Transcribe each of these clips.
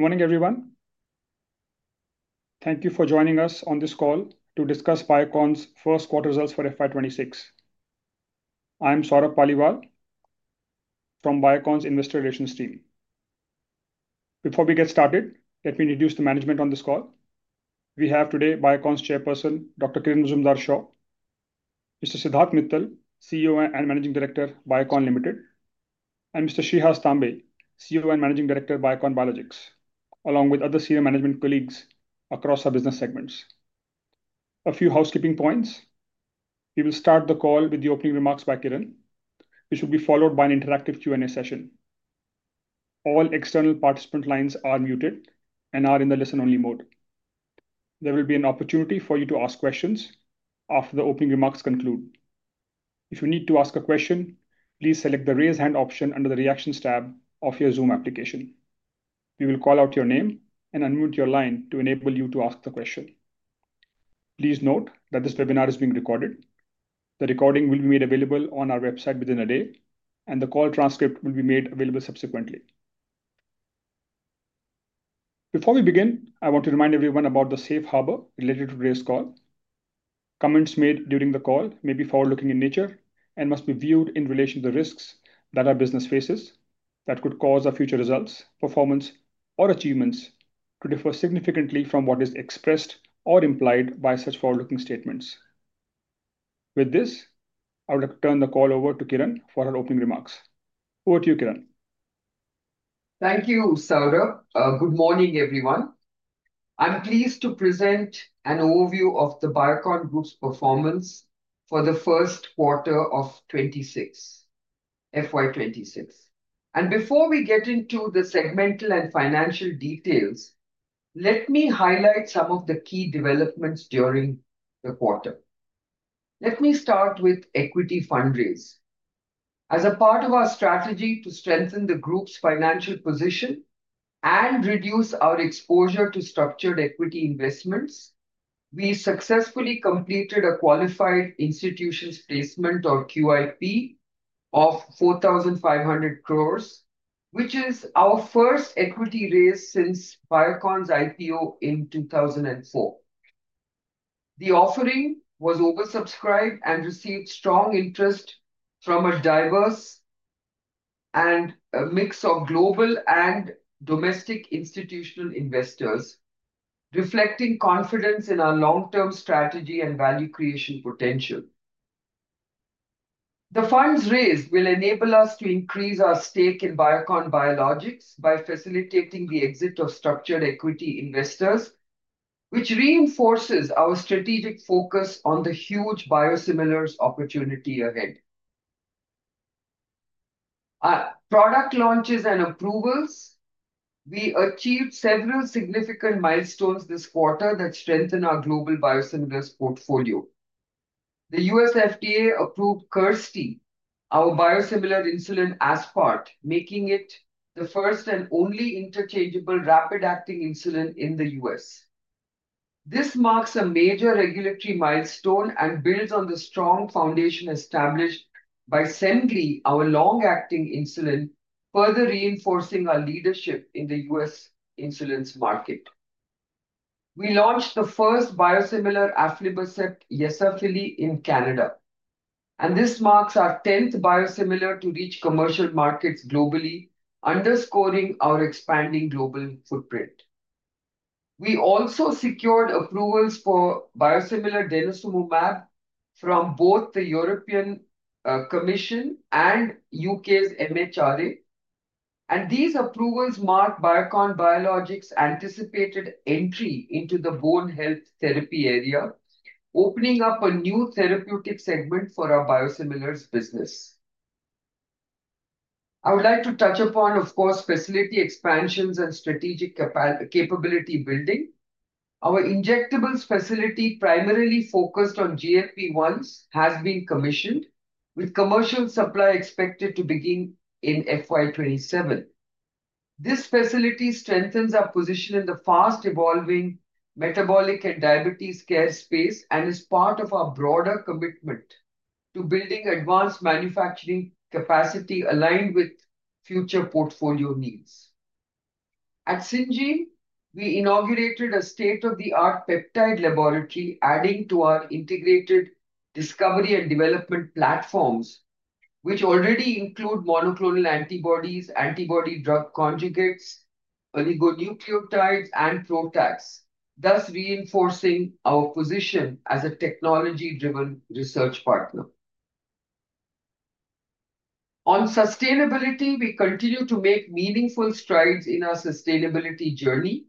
Good morning, everyone. Thank you for joining us on this call to discuss Biocon's First Quarter Results for FY 2026. I am Saurabh Paliwal from Biocon's investor relations team. Before we get started, let me introduce the management on this call. We have today Biocon's Chairperson, Dr. Kiran Mazumdar-Shaw, Mr. Siddharth Mittal, CEO and Managing Director, Biocon Limited, and Mr. Shreehas Tambe, CEO and Managing Director, Biocon Biologics, along with other senior management colleagues across our business segments. A few housekeeping points. We will start the call with the opening remarks by Kiran, which will be followed by an interactive Q&A session. All external participant lines are muted and are in the listen-only mode. There will be an opportunity for you to ask questions after the opening remarks conclude. If you need to ask a question, please select the raise hand option under the reactions tab of your Zoom application. We will call out your name and unmute your line to enable you to ask the question. Please note that this webinar is being recorded. The recording will be made available on our website within a day, and the call transcript will be made available subsequently. Before we begin, I want to remind everyone about the safe harbor related to today's call. Comments made during the call may be forward-looking in nature and must be viewed in relation to the risks that our business faces that could cause our future results, performance, or achievements to differ significantly from what is expressed or implied by such forward-looking statements. With this, I would like to turn the call over to Kiran for her opening remarks. Over to you, Kiran. Thank you, Saurabh. Good morning, everyone. I'm pleased to present an overview of the Biocon Group's performance for the first quarter of FY 2026. Before we get into the segmental and financial details, let me highlight some of the key developments during the quarter. Let me start with equity fundraising. As a part of our strategy to strengthen the group's financial position and reduce our exposure to structured equity investments, we successfully completed a Qualified Institutions Placement, or QIP, of 4,500 crore, which is our first equity raise since Biocon's IPO in 2004. The offering was oversubscribed and received strong interest from a diverse and a mix of global and domestic institutional investors, reflecting confidence in our long-term strategy and value creation potential. The funds raised will enable us to increase our stake in Biocon Biologics by facilitating the exit of structured equity investors, which reinforces our strategic focus on the huge biosimilars opportunity event. Product launches and approvals, we achieved several significant milestones this quarter that strengthen our global biosimilars portfolio. The U.S. FDA approved Kirsty, our biosimilar insulin aspart, making it the first and only interchangeable rapid-acting insulin in the U.S. This marks a major regulatory milestone and builds on the strong foundation established by Semglee, our long-acting insulin, further reinforcing our leadership in the U.S. insulins market. We launched the first biosimilar aflibercept Yesafili in Canada, and this marks our 10th biosimilar to reach commercial markets globally, underscoring our expanding global footprint. We also secured approvals for biosimilar denosumab from both the European Commission and U.K.'s MHRA, and these approvals mark Biocon Biologics' anticipated entry into the bone health therapy area, opening up a new therapeutic segment for our biosimilars business. I would like to touch upon, of course, facility expansions and strategic capability building. Our injectables facility, primarily focused on GLP-1s, has been commissioned, with commercial supply expected to begin in FY 2027. This facility strengthens our position in the fast-evolving metabolic and diabetes care space and is part of our broader commitment to building advanced manufacturing capacity aligned with future portfolio needs. At Syngene, we inaugurated a state-of-the-art peptide laboratory, adding to our integrated discovery and development platforms, which already include monoclonal antibodies, antibody-drug conjugates, oligonucleotides, and proteases, thus reinforcing our position as a technology-driven research partner. On sustainability, we continue to make meaningful strides in our sustainability journey.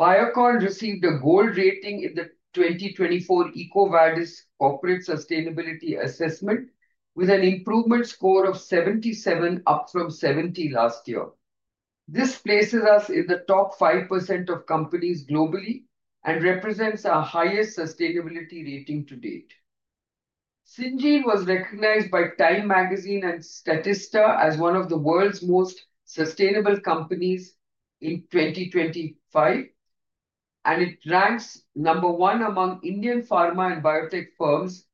Biocon received a gold rating in the 2024 EcoVadis corporate sustainability assessment, with an improvement score of 77, up from 70 last year. This places us in the top 5% of companies globally and represents our highest sustainability rating to date. Syngene was recognized by TIME and Statista as one of the world's most sustainable companies in 2025, and it ranks number one among Indian pharma and biotech firms,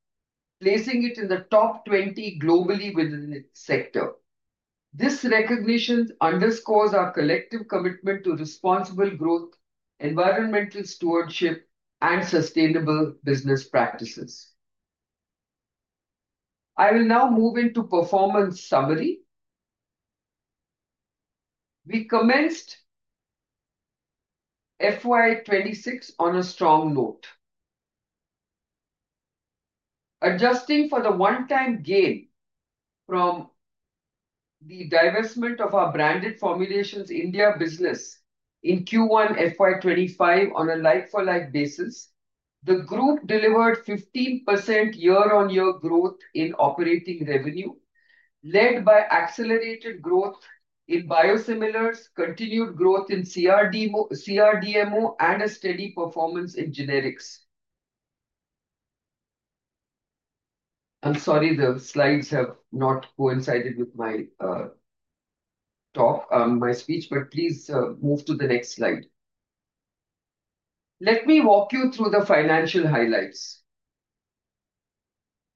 placing it in the top 20 globally within its sector. This recognition underscores our collective commitment to responsible growth, environmental stewardship, and sustainable business practices. I will now move into performance summary. We commenced FY 2026 on a strong note. Adjusting for the one-time gain from the divestment of our branded formulations India business in Q1 FY 2025 on a like-for-like basis, the group delivered 15% year-on-year growth in operating revenue, led by accelerated growth in biosimilars, continued growth in CRDMO, and a steady performance in generics. I'm sorry the slides have not coincided with my talk, my speech, but please move to the next slide. Let me walk you through the financial highlights.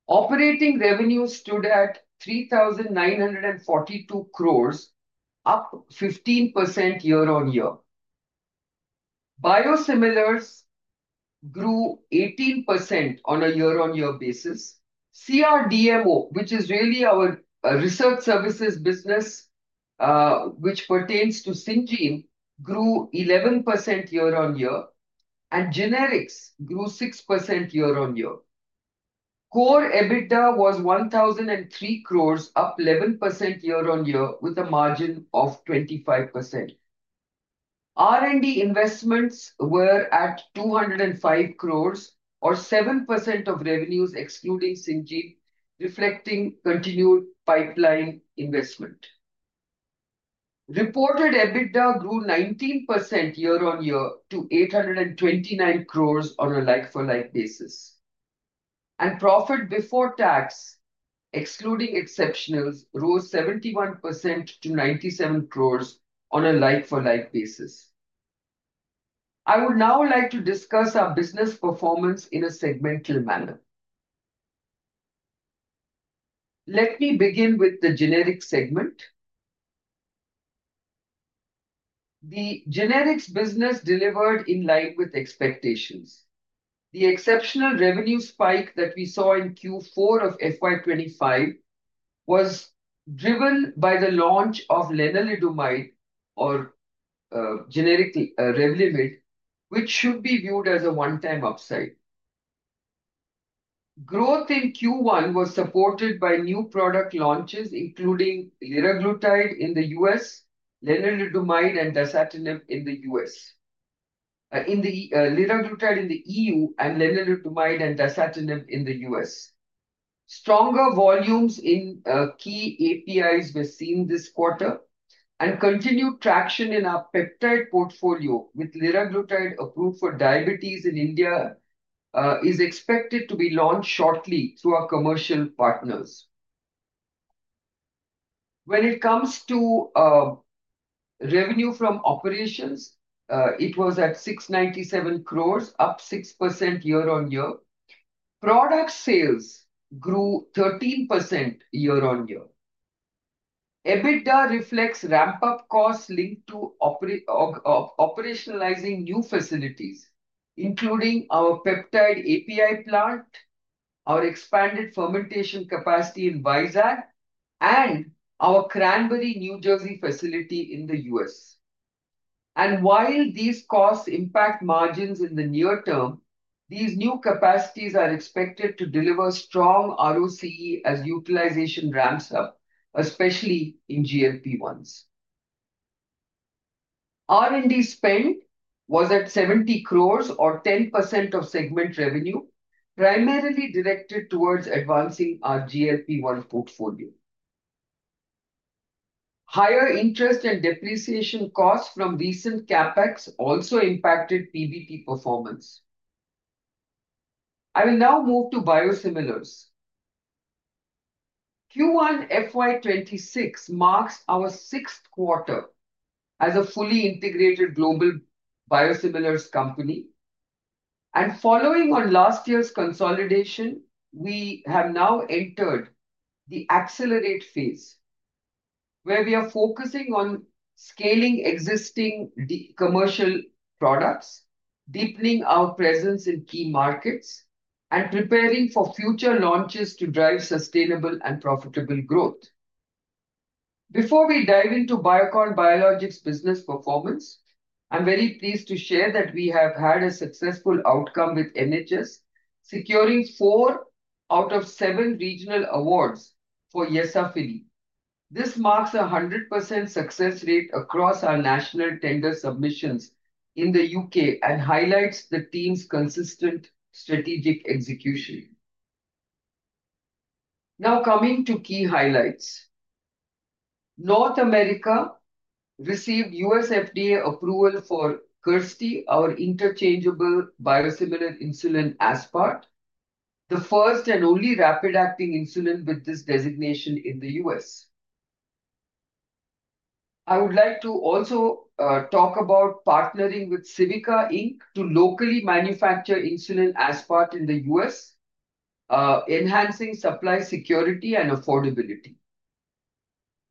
Operating revenue stood at 3,942 crore, up 15% year-on-year. Biosimilars grew 18% on a year-on-year basis. CRDMO, which is really our research services business which pertains to Syngene, grew 11% year-on-year, and generics grew 6% year-on-year. Core EBITDA was 1,003 crore, up 11% year-on-year, with a margin of 25%. R&D investments were at 205 crore, or 7% of revenues excluding Syngene, reflecting continued pipeline investment. Reported EBITDA grew 19% year-on-year to INR 829 crore on a like-for-like basis. Profit before tax, excluding exceptionals, rose 71% to 97 crore on a like-for-like basis. I would now like to discuss our business performance in a segmental manner. Let me begin with the generics segment. The generics business delivered in line with expectations. The exceptional revenue spike that we saw in Q4 of FY 2025 was driven by the launch of lenalidomide, or generic Revlimid, which should be viewed as a one-time upside. Growth in Q1 was supported by new product launches, including liraglutide in the U.S., lenalidomide, and dasatinib in the U.S., liraglutide in the E.U., and lenalidomide and dasatinib in the US. Stronger volumes in key APIs were seen this quarter, and continued traction in our peptide portfolio, with liraglutide approved for diabetes in India, is expected to be launched shortly through our commercial partners. When it comes to revenue from operations, it was at 697 crore, up 6% year-on-year. Product sales grew 13% year-on-year. EBITDA reflects ramp-up costs linked to operationalizing new facilities, including our peptide API plant, our expanded fermentation capacity in Vizag, and our Cranbury, New Jersey facility in the U.S. While these costs impact margins in the near term, these new capacities are expected to deliver strong ROCE as utilization ramps up, especially in GLP-1s. R&D spend was at 70 crore, or 10% of segment revenue, primarily directed towards advancing our GLP-1 portfolio. Higher interest and depreciation costs from recent CapEx also impacted PBT performance. I will now move to biosimilars. Q1 FY 2026 marks our sixth quarter as a fully integrated global biosimilars company. Following on last year's consolidation, we have now entered the accelerate phase, where we are focusing on scaling existing commercial products, deepening our presence in key markets, and preparing for future launches to drive sustainable and profitable growth. Before we dive into Biocon Biologics' business performance, I'm very pleased to share that we have had a successful outcome with NHS, securing four out of seven regional awards for Yesafili. This marks a 100% success rate across our national tender submissions in the U.K. and highlights the team's consistent strategic execution. Now coming to key highlights. North America received U.S. FDA approval for Kirsty, our interchangeable biosimilar insulin aspart, the first and only rapid-acting insulin with this designation in the U.S. I would like to also talk about partnering with Civica, Inc to locally manufacture insulin aspart in the U.S., enhancing supply security and affordability.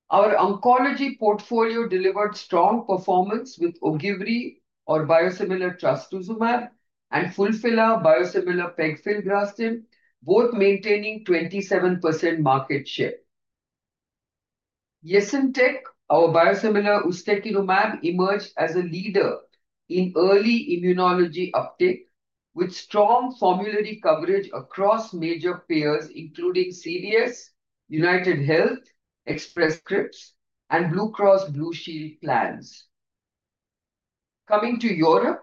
Our oncology portfolio delivered strong performance with Ogivri, our biosimilar trastuzumab, and Fulphila biosimilar pegfilgrastim, both maintaining 27% market share. Yesintek, our biosimilar ustekinumab, emerged as a leader in early immunology uptake with strong formulary coverage across major payers, including Cigna, UnitedHealth, Express Scripts, and Blue Cross Blue Shield plans. Coming to Europe,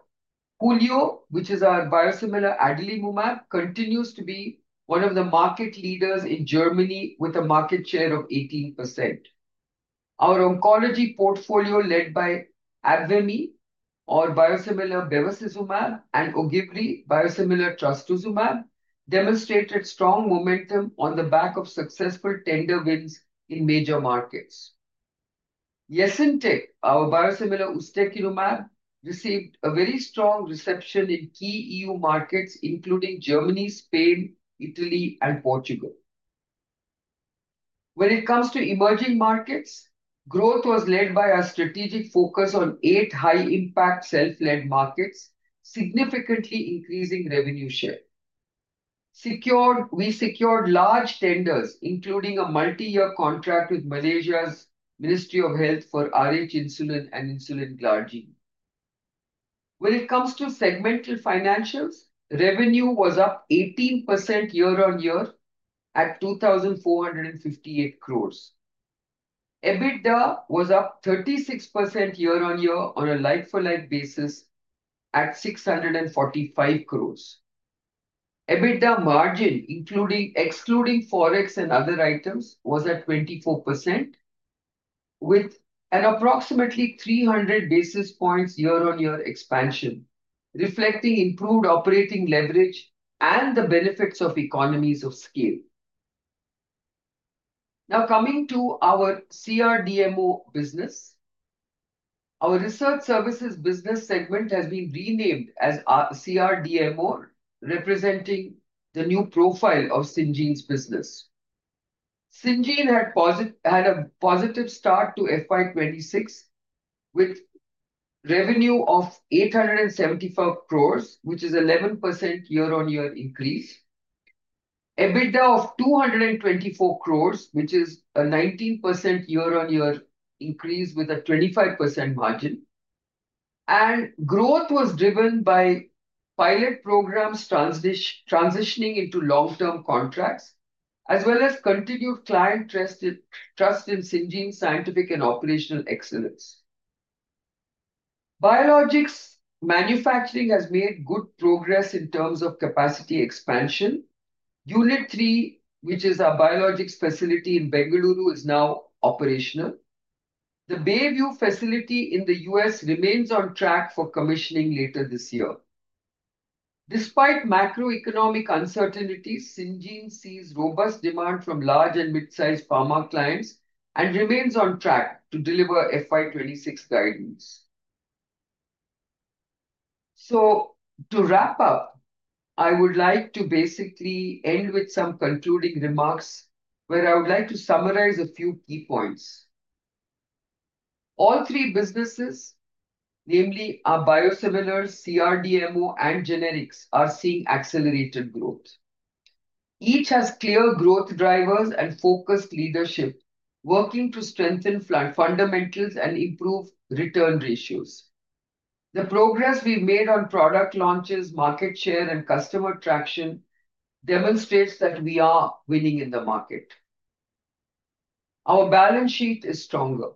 Hulio, which is our biosimilar adalimumab, continues to be one of the market leaders in Germany with a market share of 18%. Our oncology portfolio, led by Arvemi, our biosimilar bevacizumab, and Ogivri, biosimilar trastuzumab, demonstrated strong momentum on the back of successful tender wins in major markets. Yesintek, our biosimilar ustekinumab, received a very strong reception in key E.U. markets, including Germany, Spain, Italy, and Portugal. When it comes to emerging markets, growth was led by our strategic focus on eight high-impact self-led markets, significantly increasing revenue share. We secured large tenders, including a multi-year contract with Malaysia's Ministry of Health for rh-Insulin and Insulin Glargine. When it comes to segmental financials, revenue was up 18% year-on-year at 2,458 crore. EBITDA was up 36% year-on-year on a like-for-like basis at 645 crore. EBITDA margin, including and excluding forex and other items, was at 24%, with an approximately 300 basis points year-on-year expansion, reflecting improved operating leverage and the benefits of economies of scale. Now coming to our CRDMO business, our research services business segment has been renamed as CRDMO, representing the new profile of Syngene's business. Syngene had a positive start to FY 2026 with revenue of 874 crore, which is an 11% year-on-year increase, EBITDA of 224 crore, which is a 19% year-on-year increase with a 25% margin. Growth was driven by pilot programs transitioning into long-term contracts, as well as continued client trust in Syngene's scientific and operational excellence. Biologics manufacturing has made good progress in terms of capacity expansion. Unit 3, which is our biologics facility in Bengaluru, is now operational. The Bayview facility in the U.S. remains on track for commissioning later this year. Despite macroeconomic uncertainties, Syngene sees robust demand from large and mid-sized pharma clients and remains on track to deliver FY 2026 guidance. To wrap up, I would like to basically end with some concluding remarks where I would like to summarize a few key points. All three businesses, namely our biosimilars, CRDMO, and generics, are seeing accelerated growth. Each has clear growth drivers and focused leadership working to strengthen fundamentals and improve return ratios. The progress we've made on product launches, market share, and customer traction demonstrates that we are winning in the market. Our balance sheet is stronger.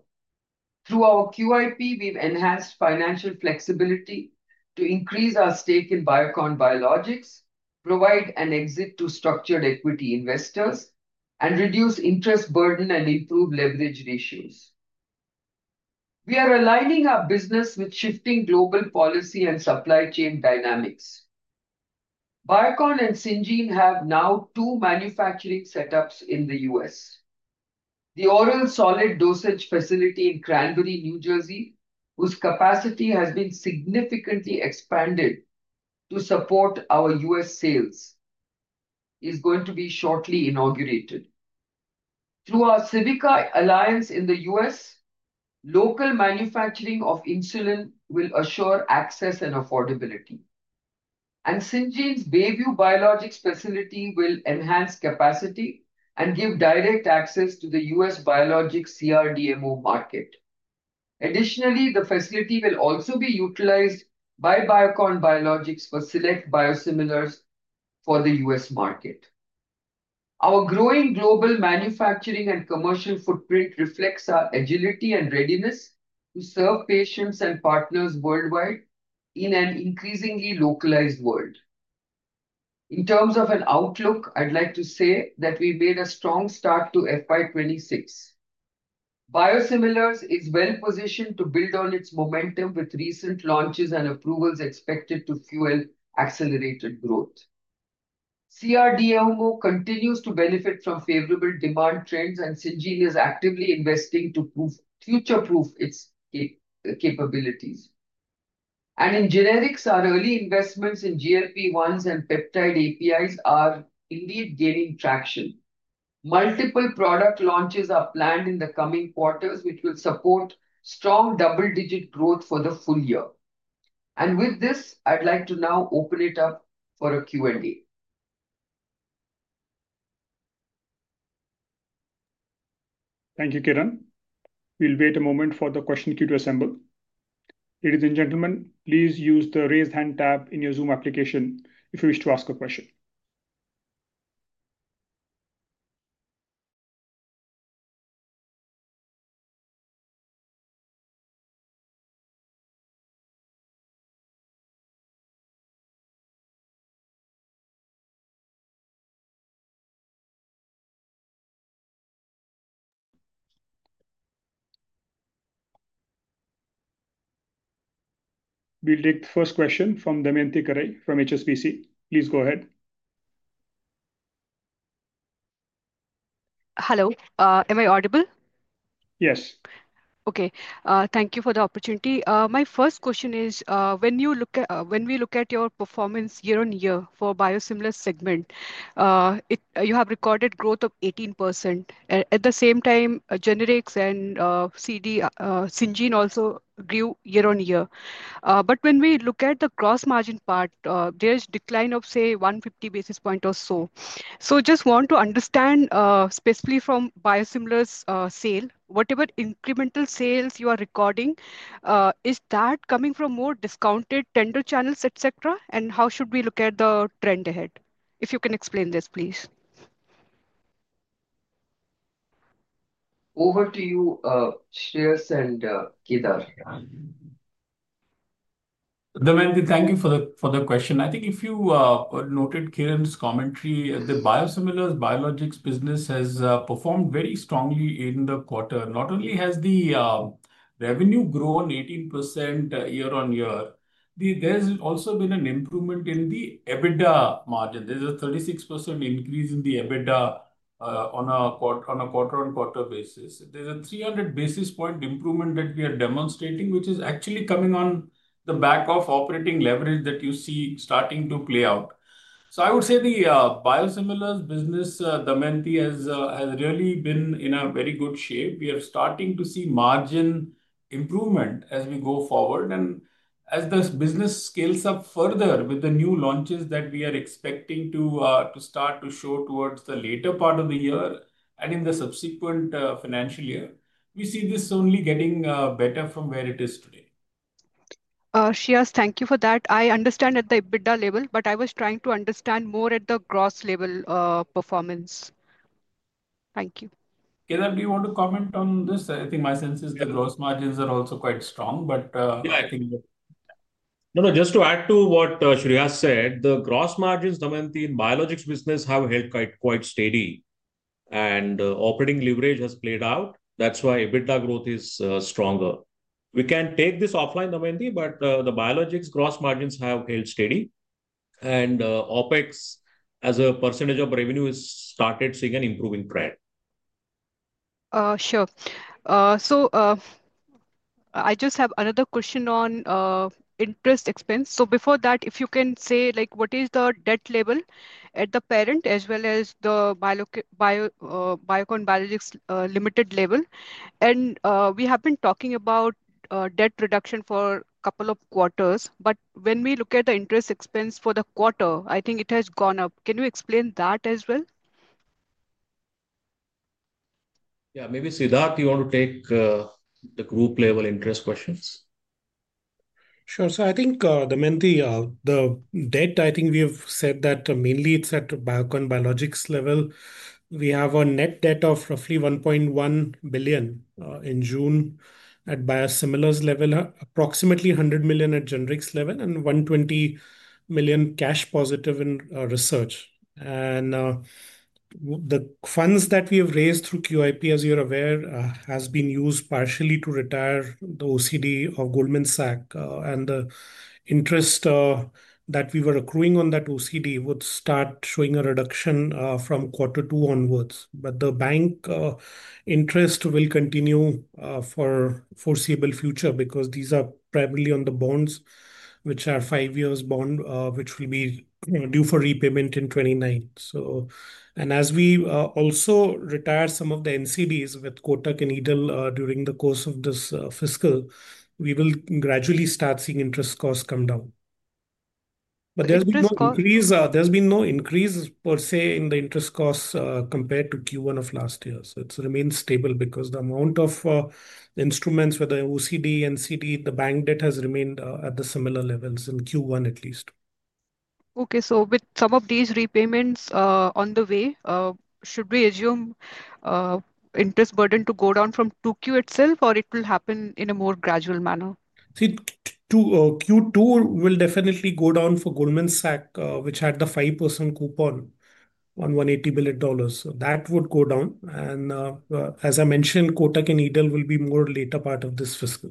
Through our QIP, we've enhanced financial flexibility to increase our stake in Biocon Biologics, provide an exit to structured equity investors, reduce interest burden, and improve leverage ratios. We are aligning our business with shifting global policy and supply chain dynamics. Biocon and Syngene have now two manufacturing setups in the U.S. The Oral Solid Dosage facility in Cranbury, New Jersey, whose capacity has been significantly expanded to support our U.S. sales, is going to be shortly inaugurated. Through our Civica alliance in the U.S., local manufacturing of insulin will assure access and affordability. Syngene's Bayview Biologics facility will enhance capacity and give direct access to the U.S. biologics CRDMO market. Additionally, the facility will also be utilized by Biocon Biologics for select biosimilars for the U.S. market. Our growing global manufacturing and commercial footprint reflects our agility and readiness to serve patients and partners worldwide in an increasingly localized world. In terms of an outlook, I'd like to say that we've made a strong start to FY 2026. Biosimilars is well positioned to build on its momentum with recent launches and approvals expected to fuel accelerated growth. CRDMO continues to benefit from favorable demand trends, and Syngene is actively investing to future-proof its capabilities. In generics, our early investments in GLP-1s and peptide APIs are indeed gaining traction. Multiple product launches are planned in the coming quarters, which will support strong double-digit growth for the full year. With this, I'd like to now open it up for a Q&A. Thank you, Kiran. We'll wait a moment for the question queue to assemble. Ladies and gentlemen, please use the raise hand tab in your Zoom application if you wish to ask a question. We'll take the first question from Damayanti Kerai from HSBC. Please go ahead. Hello. Am I audible? Yes. OK. Thank you for the opportunity. My first question is, when you look at your performance year-on-year for a biosimilar segment, you have recorded growth of 18%. At the same time, generics and Syngene also grew year-on-year. When we look at the gross margin part, there is a decline of, say, 150 basis points or so. I just want to understand, specifically from biosimilars sale, whatever incremental sales you are recording, is that coming from more discounted tender channels, etc., and how should we look at the trend ahead? If you can explain this, please. Over to you, Shreehas and Kedar. Damayanti, thank you for the question. I think if you noted Kiran's commentary, the biosimilars biologics business has performed very strongly in the quarter. Not only has the revenue grown 18% year-on-year, there's also been an improvement in the EBITDA margin. There's a 36% increase in the EBITDA on a quarter-on-quarter basis. There's a 300 basis point improvement that we are demonstrating, which is actually coming on the back of operating leverage that you see starting to play out. I would say the biosimilars business, Damayanti, has really been in a very good shape. We are starting to see margin improvement as we go forward. As this business scales up further with the new launches that we are expecting to start to show towards the later part of the year and in the subsequent financial year, we see this only getting better from where it is today. Shreehas, thank you for that. I understand at the EBITDA level, but I was trying to understand more at the gross level performance. Thank you. Kedar, do you want to comment on this? I think my sense is the gross margins are also quite strong. I think. Just to add to what Shreehas said, the gross margins, Damayanti, in the biologics business have held quite steady. Operating leverage has played out. That's why EBITDA growth is stronger. We can take this offline, Damayanti, but the biologics gross margins have held steady. OpEx, as a percentage of revenue, has started seeing an improving trend. Sure. I just have another question on interest expense. Before that, if you can say, like, what is the debt level at the parent as well as the Biocon Biologics Limited level? We have been talking about debt reduction for a couple of quarters. When we look at the interest expense for the quarter, I think it has gone up. Can you explain that as well? Yeah, maybe Siddharth, you want to take the group level interest questions? Sure. I think, Damayanti, the debt, I think we have said that mainly it's at Biocon Biologics level. We have a net debt of roughly $1.1 billion in June at biosimilars level, approximately $100 million at generics level, and $120 million cash positive in research. The funds that we have raised through QIP, as you're aware, have been used partially to retire the OCD of Goldman Sachs. The interest that we were accruing on that OCD would start showing a reduction from quarter two onwards. The bank interest will continue for the foreseeable future because these are primarily on the bonds, which are five-year bonds, which will be due for repayment in 2029. As we also retire some of the NCDs with Kotak and Edel during the course of this fiscal, we will gradually start seeing interest costs come down. There's been no increase, per se, in the interest costs compared to Q1 of last year. It's remained stable because the amount of instruments, whether OCD, NCD, the bank debt, has remained at similar levels in Q1, at least. OK, with some of these repayments on the way, should we assume interest burden to go down from Q2 itself, or will it happen in a more gradual manner? Q2 will definitely go down for Goldman Sachs, which had the 5% coupon on $180 million. That would go down, as I mentioned. Kotak and Edel will be more later part of this fiscal.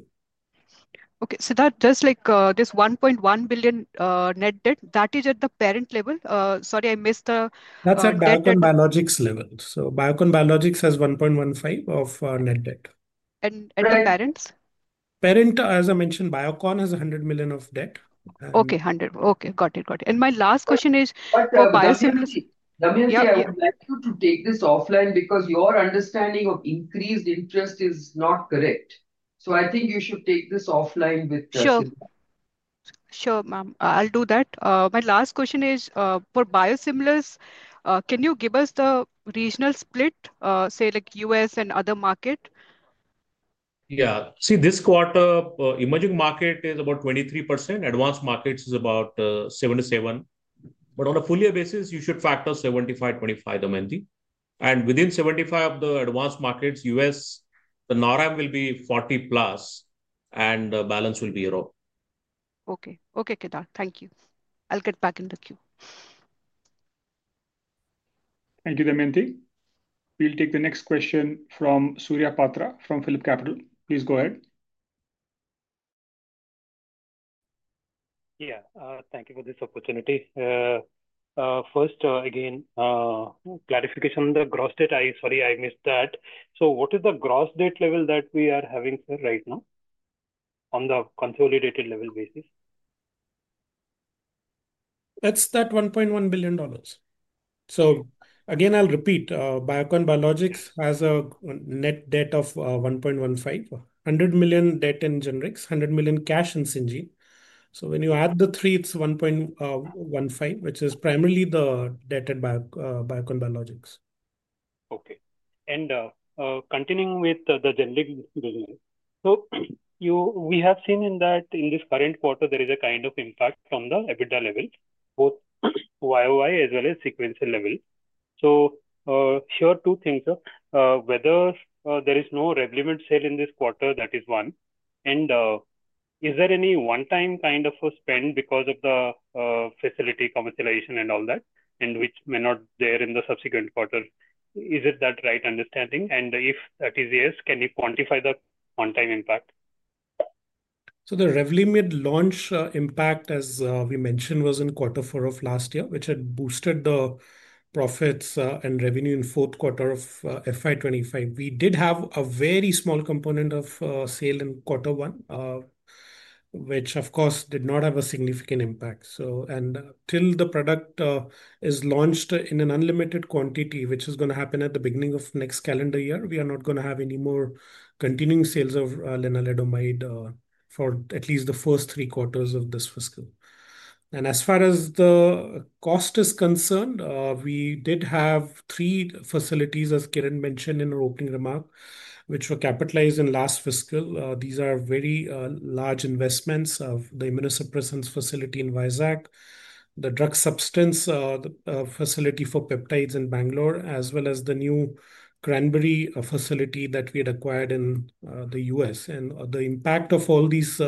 OK, so that does, like, this $1.1 billion net debt, that is at the parent level? Sorry, I missed the. That's at Biocon Biologics level. Biocon Biologics has $1.15 billion of net debt. At the parents? Parent, as I mentioned, Biocon has $100 million of debt. OK, $100 million. OK, got it, got it. My last question is for biosimilars? Damayanti, I would like you to take this offline because your understanding of increased interest is not correct. I think you should take this offline with the. Sure, sure, ma'am. I'll do that. My last question is, for biosimilars, can you give us the regional split, say, like U.S. and other market? Yeah, see, this quarter, emerging market is about 23%. Advanced markets is about 77%. On a full-year basis, you should factor 75%-25%, Damayanti. Within 75% of the advanced markets, U.S., the North Am will be 40%+, and the balance will be rough. OK, Kedar. Thank you. I'll get back in the queue. Thank you, Damayanti. We'll take the next question from Surya Patra from PhillipCapital. Please go ahead. Thank you for this opportunity. First, again, clarification on the gross debt. I'm sorry I missed that. What is the gross debt level that we are having here right now on the consolidated level basis? It's that $1.1 billion. I'll repeat, Biocon Biologics has a net debt of $1.15 billion, $100 million debt in generics, $100 million cash in Syngene. When you add the three, it's $1.15 billion, which is primarily the debt in Biocon Biologics. OK. Continuing with the generics, we have seen that in this current quarter, there is a kind of impact from the EBITDA level, both YoY as well as sequence level. Here are two things. Whether there is no Revlimid sale in this quarter, that is one. Is there any one-time kind of spend because of the facility commercialization and all that, which may not be there in the subsequent quarter? Is that the right understanding? If that is yes, can you quantify the one-time impact? The Revlimid launch impact, as we mentioned, was in quarter four of last year, which had boosted the profits and revenue in the fourth quarter of FY 2025. We did have a very small component of sale in quarter one, which, of course, did not have a significant impact. Till the product is launched in an unlimited quantity, which is going to happen at the beginning of next calendar year, we are not going to have any more continuing sales of lenalidomide for at least the first three quarters of this fiscal. As far as the cost is concerned, we did have three facilities, as Kiran mentioned in her opening remark, which were capitalized in last fiscal. These are very large investments: the immunosuppressants facility in Vizag, the drug substance facility for peptides in Bangalore, as well as the new Cranbury facility that we had acquired in the U.S. The impact of all these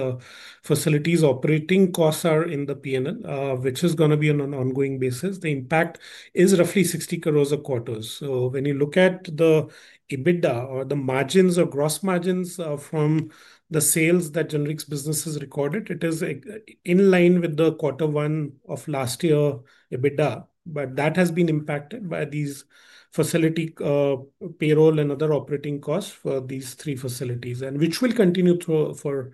facilities' operating costs are in the P&L, which is going to be on an ongoing basis. The impact is roughly 60 crore a quarter. When you look at the EBITDA or the margins or gross margins from the sales that generics businesses recorded, it is in line with the quarter one of last year's EBITDA. That has been impacted by these facility payroll and other operating costs for these three facilities, which will continue for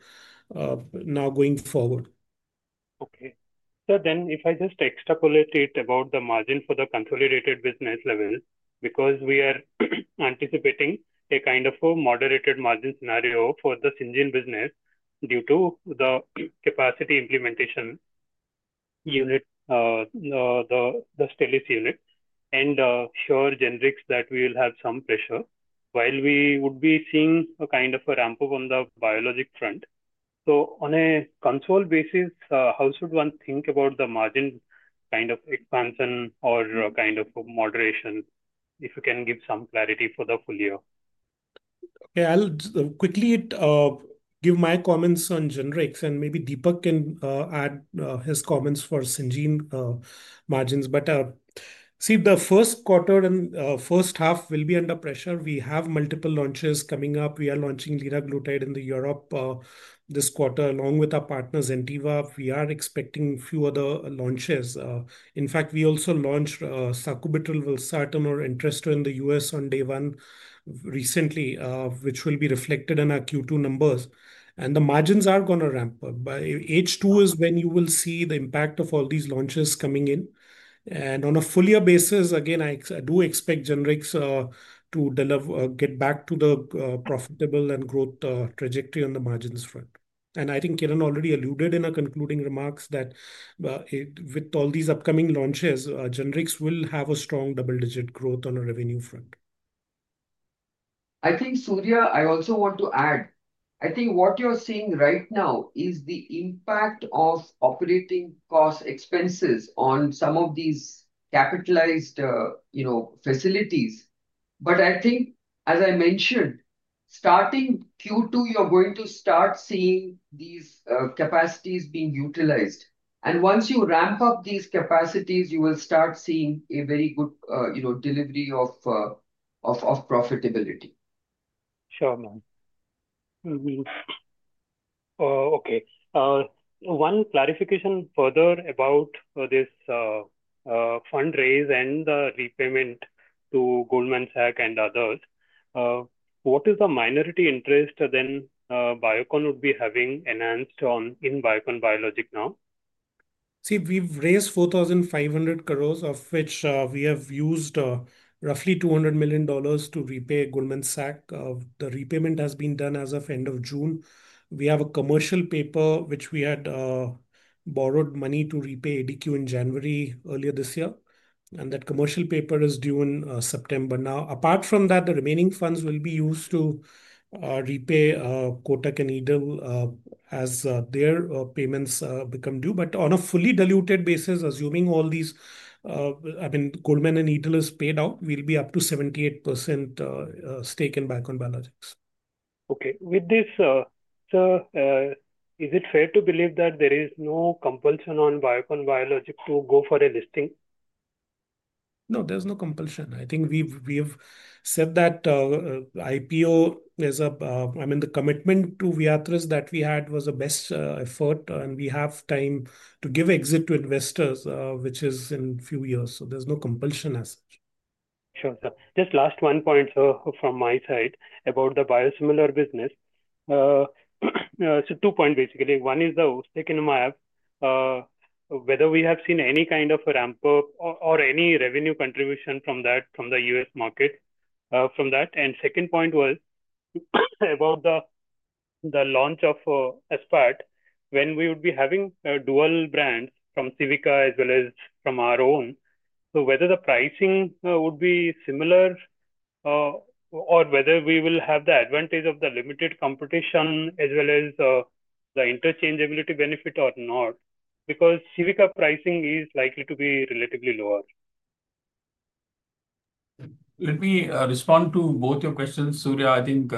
now going forward. OK. If I just extrapolate it about the margin for the consolidated business level, because we are anticipating a kind of a moderated margin scenario for the Syngene business due to the capacity implementation unit, the Stelis unit, and here generics, we will have some pressure, while we would be seeing a kind of a ramp-up on the biologic front. On a console basis, how should one think about the margin kind of expansion or kind of moderation, if you can give some clarity for the full year? OK, I'll quickly give my comments on generics, and maybe Deepak can add his comments for Syngene margins. The first quarter and first half will be under pressure. We have multiple launches coming up. We are launching liraglutide in Europe this quarter, along with our partners. We are expecting a few other launches. In fact, we also launched sacubitril, valsartan, or Entresto in the U.S. on day one recently, which will be reflected in our Q2 numbers. The margins are going to ramp up. H2 is when you will see the impact of all these launches coming in. On a full-year basis, again, I do expect generics to get back to the profitable and growth trajectory on the margins front. I think Kiran already alluded in our concluding remarks that with all these upcoming launches, generics will have a strong double-digit growth on a revenue front. I think, Surya, I also want to add, I think what you're seeing right now is the impact of operating costs, expenses on some of these capitalized facilities. I think, as I mentioned, starting Q2, you're going to start seeing these capacities being utilized. Once you ramp up these capacities, you will start seeing a very good delivery of profitability. Sure, ma'am. OK, one clarification further about this fundraise and the repayment to Goldman Sachs and others. What is the minority interest then Biocon would be having enhanced in Biocon Biologics now? See, we've raised 4,500 crores, of which we have used roughly $200 million to repay Goldman Sachs. The repayment has been done as of end of June. We have a commercial paper, which we had borrowed money to repay ADQ in January earlier this year. That commercial paper is due in September now. Apart from that, the remaining funds will be used to repay Kotak and Edel as their payments become due. On a fully diluted basis, assuming all these, I mean, Goldman and Edel is paid out, we'll be up to 78% stake in Biocon Biologics. OK, with this, sir, is it fair to believe that there is no compulsion on Biocon Biologics to go for a listing? No, there's no compulsion. I think we have said that IPO is a, I mean, the commitment to Viatris that we had was the best effort. We have time to give exit to investors, which is in a few years. There's no compulsion as such. Sure, sir. Just last one point, sir, from my side about the biosimilar business. Two points, basically. One is the ustekinumab, whether we have seen any kind of a ramp-up or any revenue contribution from that from the U.S. market from that. The second point was about the launch of aspart, when we would be having a dual brand from Civica as well as from our own. Whether the pricing would be similar or whether we will have the advantage of the limited competition as well as the interchangeability benefit or not, because Civica pricing is likely to be relatively lower. Let me respond to both your questions, Surya. I think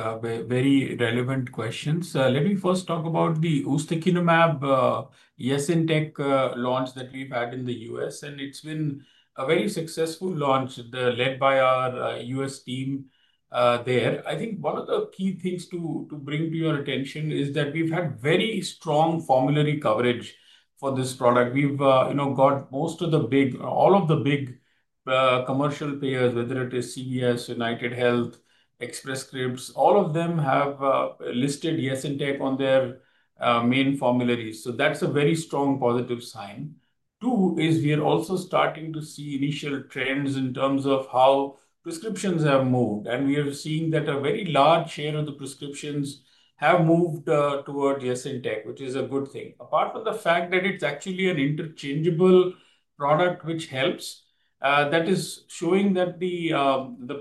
very relevant questions. Let me first talk about the ustekinumab Yesintek launch that we've had in the U.S. It's been a very successful launch led by our U.S. team there. I think one of the key things to bring to your attention is that we've had very strong formulary coverage for this product. We've got all of the big commercial payers, whether it is CVS, UnitedHealth, Express Scripts, all of them have listed Yesintek on their main formularies. That's a very strong positive sign. We are also starting to see initial trends in terms of how prescriptions have moved. We are seeing that a very large share of the prescriptions have moved towards Yesintek, which is a good thing. Apart from the fact that it's actually an interchangeable product, which helps, that is showing that the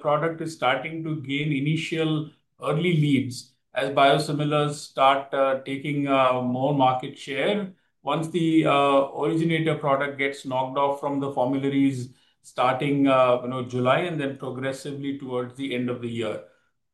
product is starting to gain initial early leads as biosimilars start taking more market share once the originator product gets knocked off from the formularies starting July and then progressively towards the end of the year.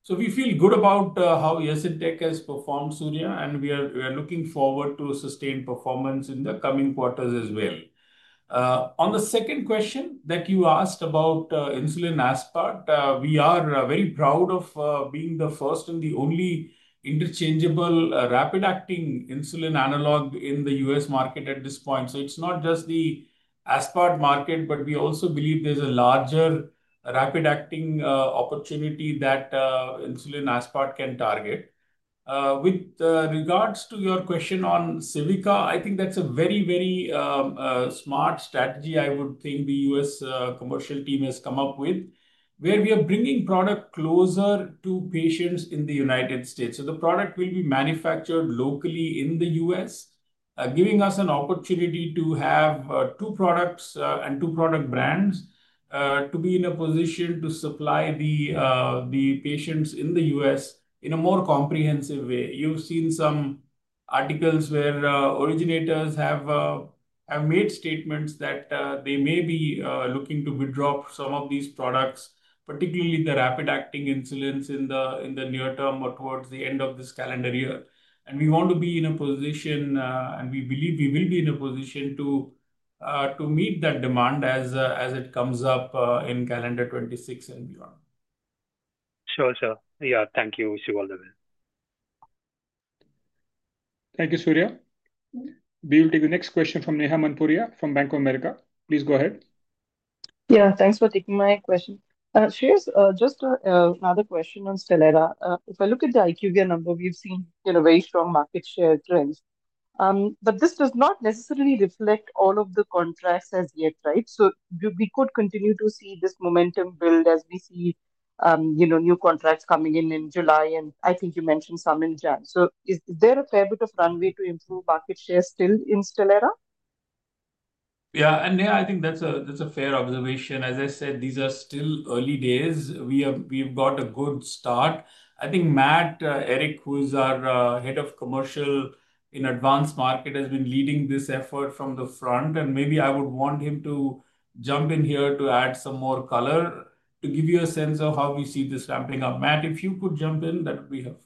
We feel good about how Yesintek has performed, Surya, and we are looking forward to sustained performance in the coming quarters as well. On the second question that you asked about insulin aspart, we are very proud of being the first and the only interchangeable rapid-acting insulin analog in the U.S. market at this point. It's not just the aspart market, but we also believe there's a larger rapid-acting opportunity that insulin aspart can target. With regards to your question on Civica, I think that's a very, very smart strategy. I would think the U.S. commercial team has come up with, where we are bringing product closer to patients in the United States. The product will be manufactured locally in the U.S., giving us an opportunity to have two products and two product brands to be in a position to supply the patients in the U.S. in a more comprehensive way. You've seen some articles where originators have made statements that they may be looking to withdraw some of these products, particularly the rapid-acting insulins in the near term or towards the end of this calendar year. We want to be in a position, and we believe we will be in a position to meet that demand as it comes up in calendar 2026 and beyond. Sure, sure. Yeah, thank you, Shreehas. Thank you, Surya. We'll take the next question from Neha Manpuria from Bank of America. Please go ahead. Yeah, thanks for taking my question. Shreehas, just another question on Stelara. If I look at the IQVIA number, we've seen a very strong market share trend. This does not necessarily reflect all of the contracts as yet, right? We could continue to see this momentum build as we see new contracts coming in in July. I think you mentioned some in Jan. Is there a fair bit of runway to improve market share still in Stelara? Yeah, Neha, I think that's a fair observation. As I said, these are still early days. We have got a good start. I think Matt Erick, who is our Head of Commercial in advanced markets, has been leading this effort from the front. I would want him to jump in here to add some more color to give you a sense of how we see this ramping up. Matt, if you could jump in, that would be helpful.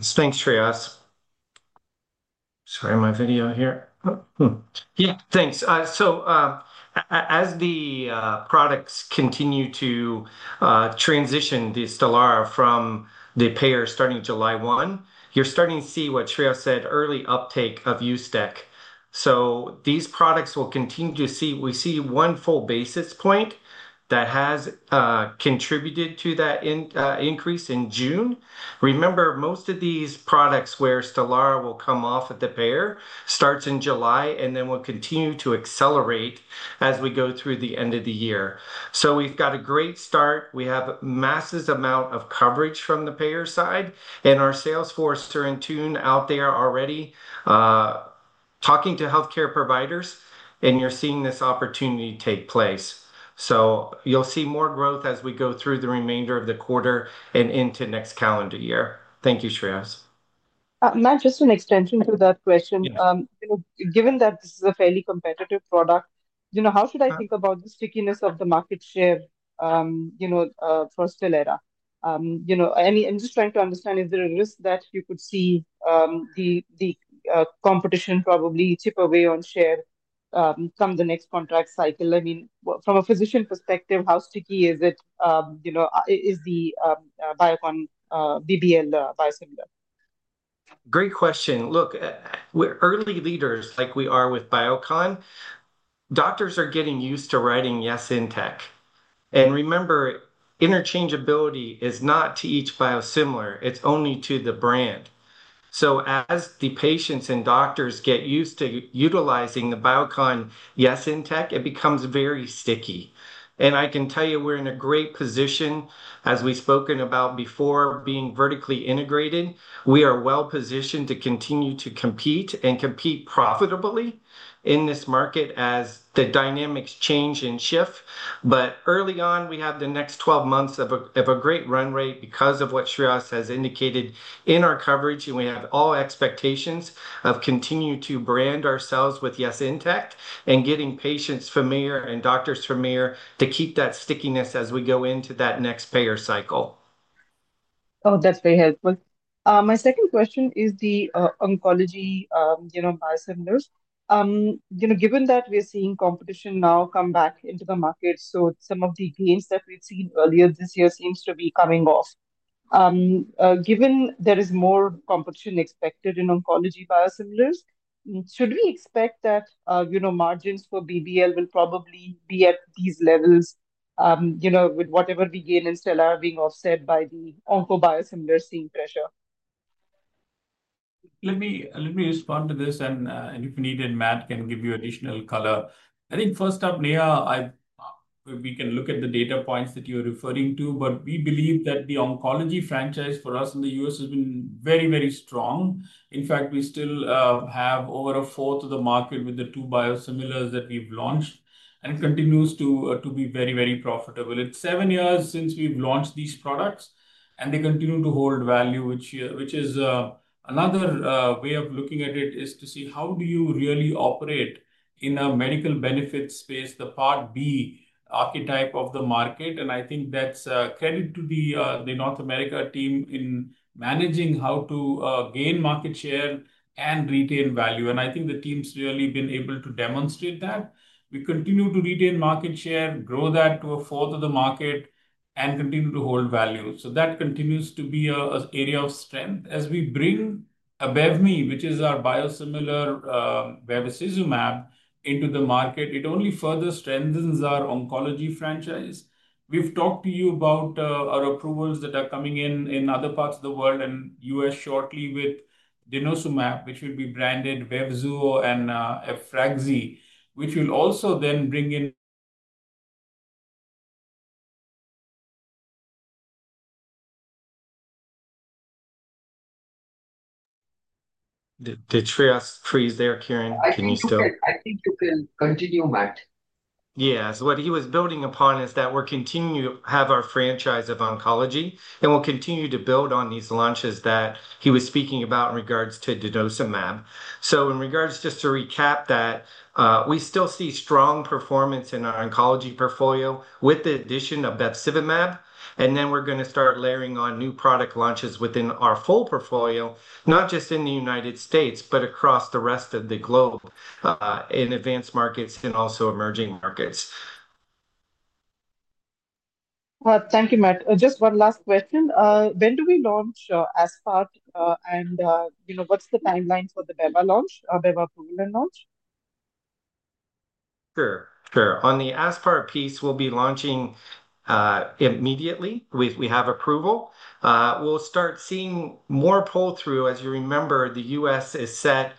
Thanks, Shreehas. Sorry, my video here. Yeah, thanks. As the products continue to transition the Stelara from the payers starting July 1, you're starting to see what Shreehas said, early uptake of ustek. These products will continue to see, we see one full basis point that has contributed to that increase in June. Remember, most of these products where Stelara will come off at the payer starts in July and will continue to accelerate as we go through the end of the year. We've got a great start. We have a massive amount of coverage from the payer side. Our sales forces are in tune out there already talking to health care providers. You're seeing this opportunity take place. You'll see more growth as we go through the remainder of the quarter and into next calendar year. Thank you, Shreehas. Matt, just an extension to that question. Given that this is a fairly competitive product, how should I think about the stickiness of the market share for Stelara? I'm just trying to understand, is there a risk that you could see the competition probably chip away on share come the next contract cycle? From a physician perspective, how sticky is it? Is the Biocon Biologics biosimilar? Great question. Look, we're early leaders like we are with Biocon. Doctors are getting used to writing Yesintek. Remember, interchangeability is not to each biosimilar. It's only to the brand. As the patients and doctors get used to utilizing the Biocon Yesintek, it becomes very sticky. I can tell you we're in a great position, as we've spoken about before, being vertically integrated. We are well positioned to continue to compete and compete profitably in this market as the dynamics change and shift. Early on, we have the next 12 months of a great run rate because of what Shreehas has indicated in our coverage. We have all expectations of continuing to brand ourselves with Yesintek and getting patients from here and doctors from here to keep that stickiness as we go into that next payer cycle. Oh, that's very helpful. My second question is the oncology biosimilars. Given that we're seeing competition now come back into the market, some of the gains that we've seen earlier this year seem to be coming off. Given there is more competition expected in oncology biosimilars, should we expect that margins for BBL will probably be at these levels with whatever we gain in Stellara being offset by the onco biosimilars seeing pressure? Let me respond to this. If needed, Matt can give you additional color. I think first up, Neha, we can look at the data points that you're referring to. We believe that the oncology franchise for us in the U.S. has been very, very strong. In fact, we still have over a fourth of the market with the two biosimilars that we've launched, and it continues to be very, very profitable. It's seven years since we've launched these products, and they continue to hold value. Another way of looking at it is to see how you really operate in a medical benefits space, the part B archetype of the market. I think that's credit to the North America team in managing how to gain market share and retain value. I think the team's really been able to demonstrate that. We continue to retain market share, grow that to a fourth of the market, and continue to hold value. That continues to be an area of strength. As we bring Abevmy, which is our biosimilar bevacizumab, into the market, it only further strengthens our oncology franchise. We've talked to you about our approvals that are coming in in other parts of the world and U.S. shortly with denosumab, which will be branded Vevzuo and Evfraxy, which will also then bring in. Did Shreehas freeze there, Kiran? Can you still? Continue, Matt? Yeah, what he was building upon is that we'll continue to have our franchise of oncology. We'll continue to build on these launches that he was speaking about in regards to denosumab. Just to recap that, we still see strong performance in our oncology portfolio with the addition of bevacizumab. We're going to start layering on new product launches within our full portfolio, not just in the United States, but across the rest of the globe in advanced markets and also emerging markets. Thank you, Matt. Just one last question. When do we launch aspart? What's the timeline for the beva launch, beva formula launch? Sure, sure. On the aspart piece, we'll be launching immediately if we have approval. We'll start seeing more pull-through. As you remember, the U.S. is set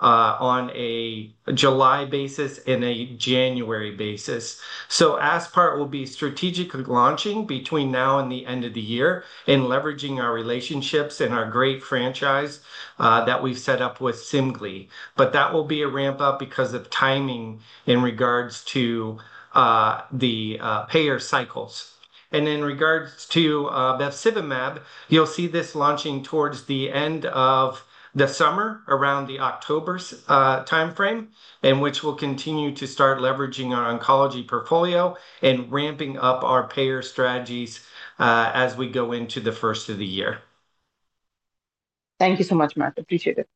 on a July basis and a January basis. So aspart will be strategically launching between now and the end of the year and leveraging our relationships and our great franchise that we've set up with Semglee. That will be a ramp-up because of timing in regards to the payer cycles. In regards to bevacizumab, you'll see this launching towards the end of the summer, around the October time frame, in which we'll continue to start leveraging our oncology portfolio and ramping up our payer strategies as we go into the first of the year. Thank you so much, Matt. Appreciate it.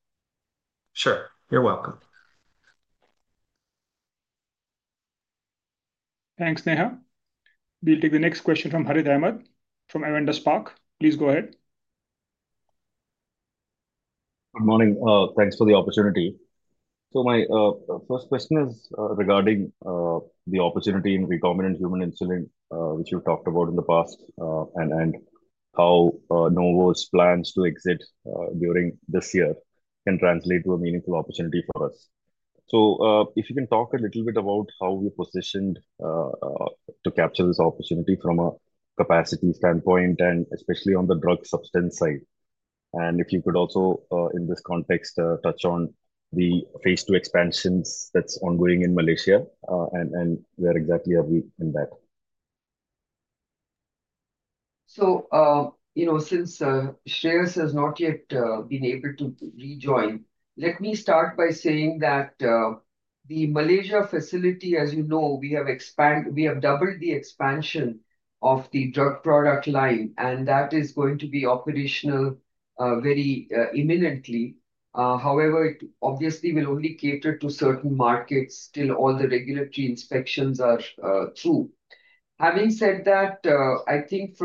Sure, you're welcome. Thanks, Neha. We'll take the next question from Harith Ahamed from Avendus Spark. Please go ahead. Good morning. Thanks for the opportunity. My first question is regarding the opportunity in recombinant human insulin, which you've talked about in the past, and how Novo's plans to exit during this year can translate to a meaningful opportunity for us. If you can talk a little bit about how we're positioned to capture this opportunity from a capacity standpoint, especially on the drug substance side. If you could also, in this context, touch on the phase two expansions that's ongoing in Malaysia and where exactly are we in that. Since Shreehas has not yet been able to rejoin, let me start by saying that the Malaysia facility, as you know, we have doubled the expansion of the drug product line, and that is going to be operational very imminently. However, it obviously will only cater to certain markets till all the regulatory inspections are through. Having said that, I think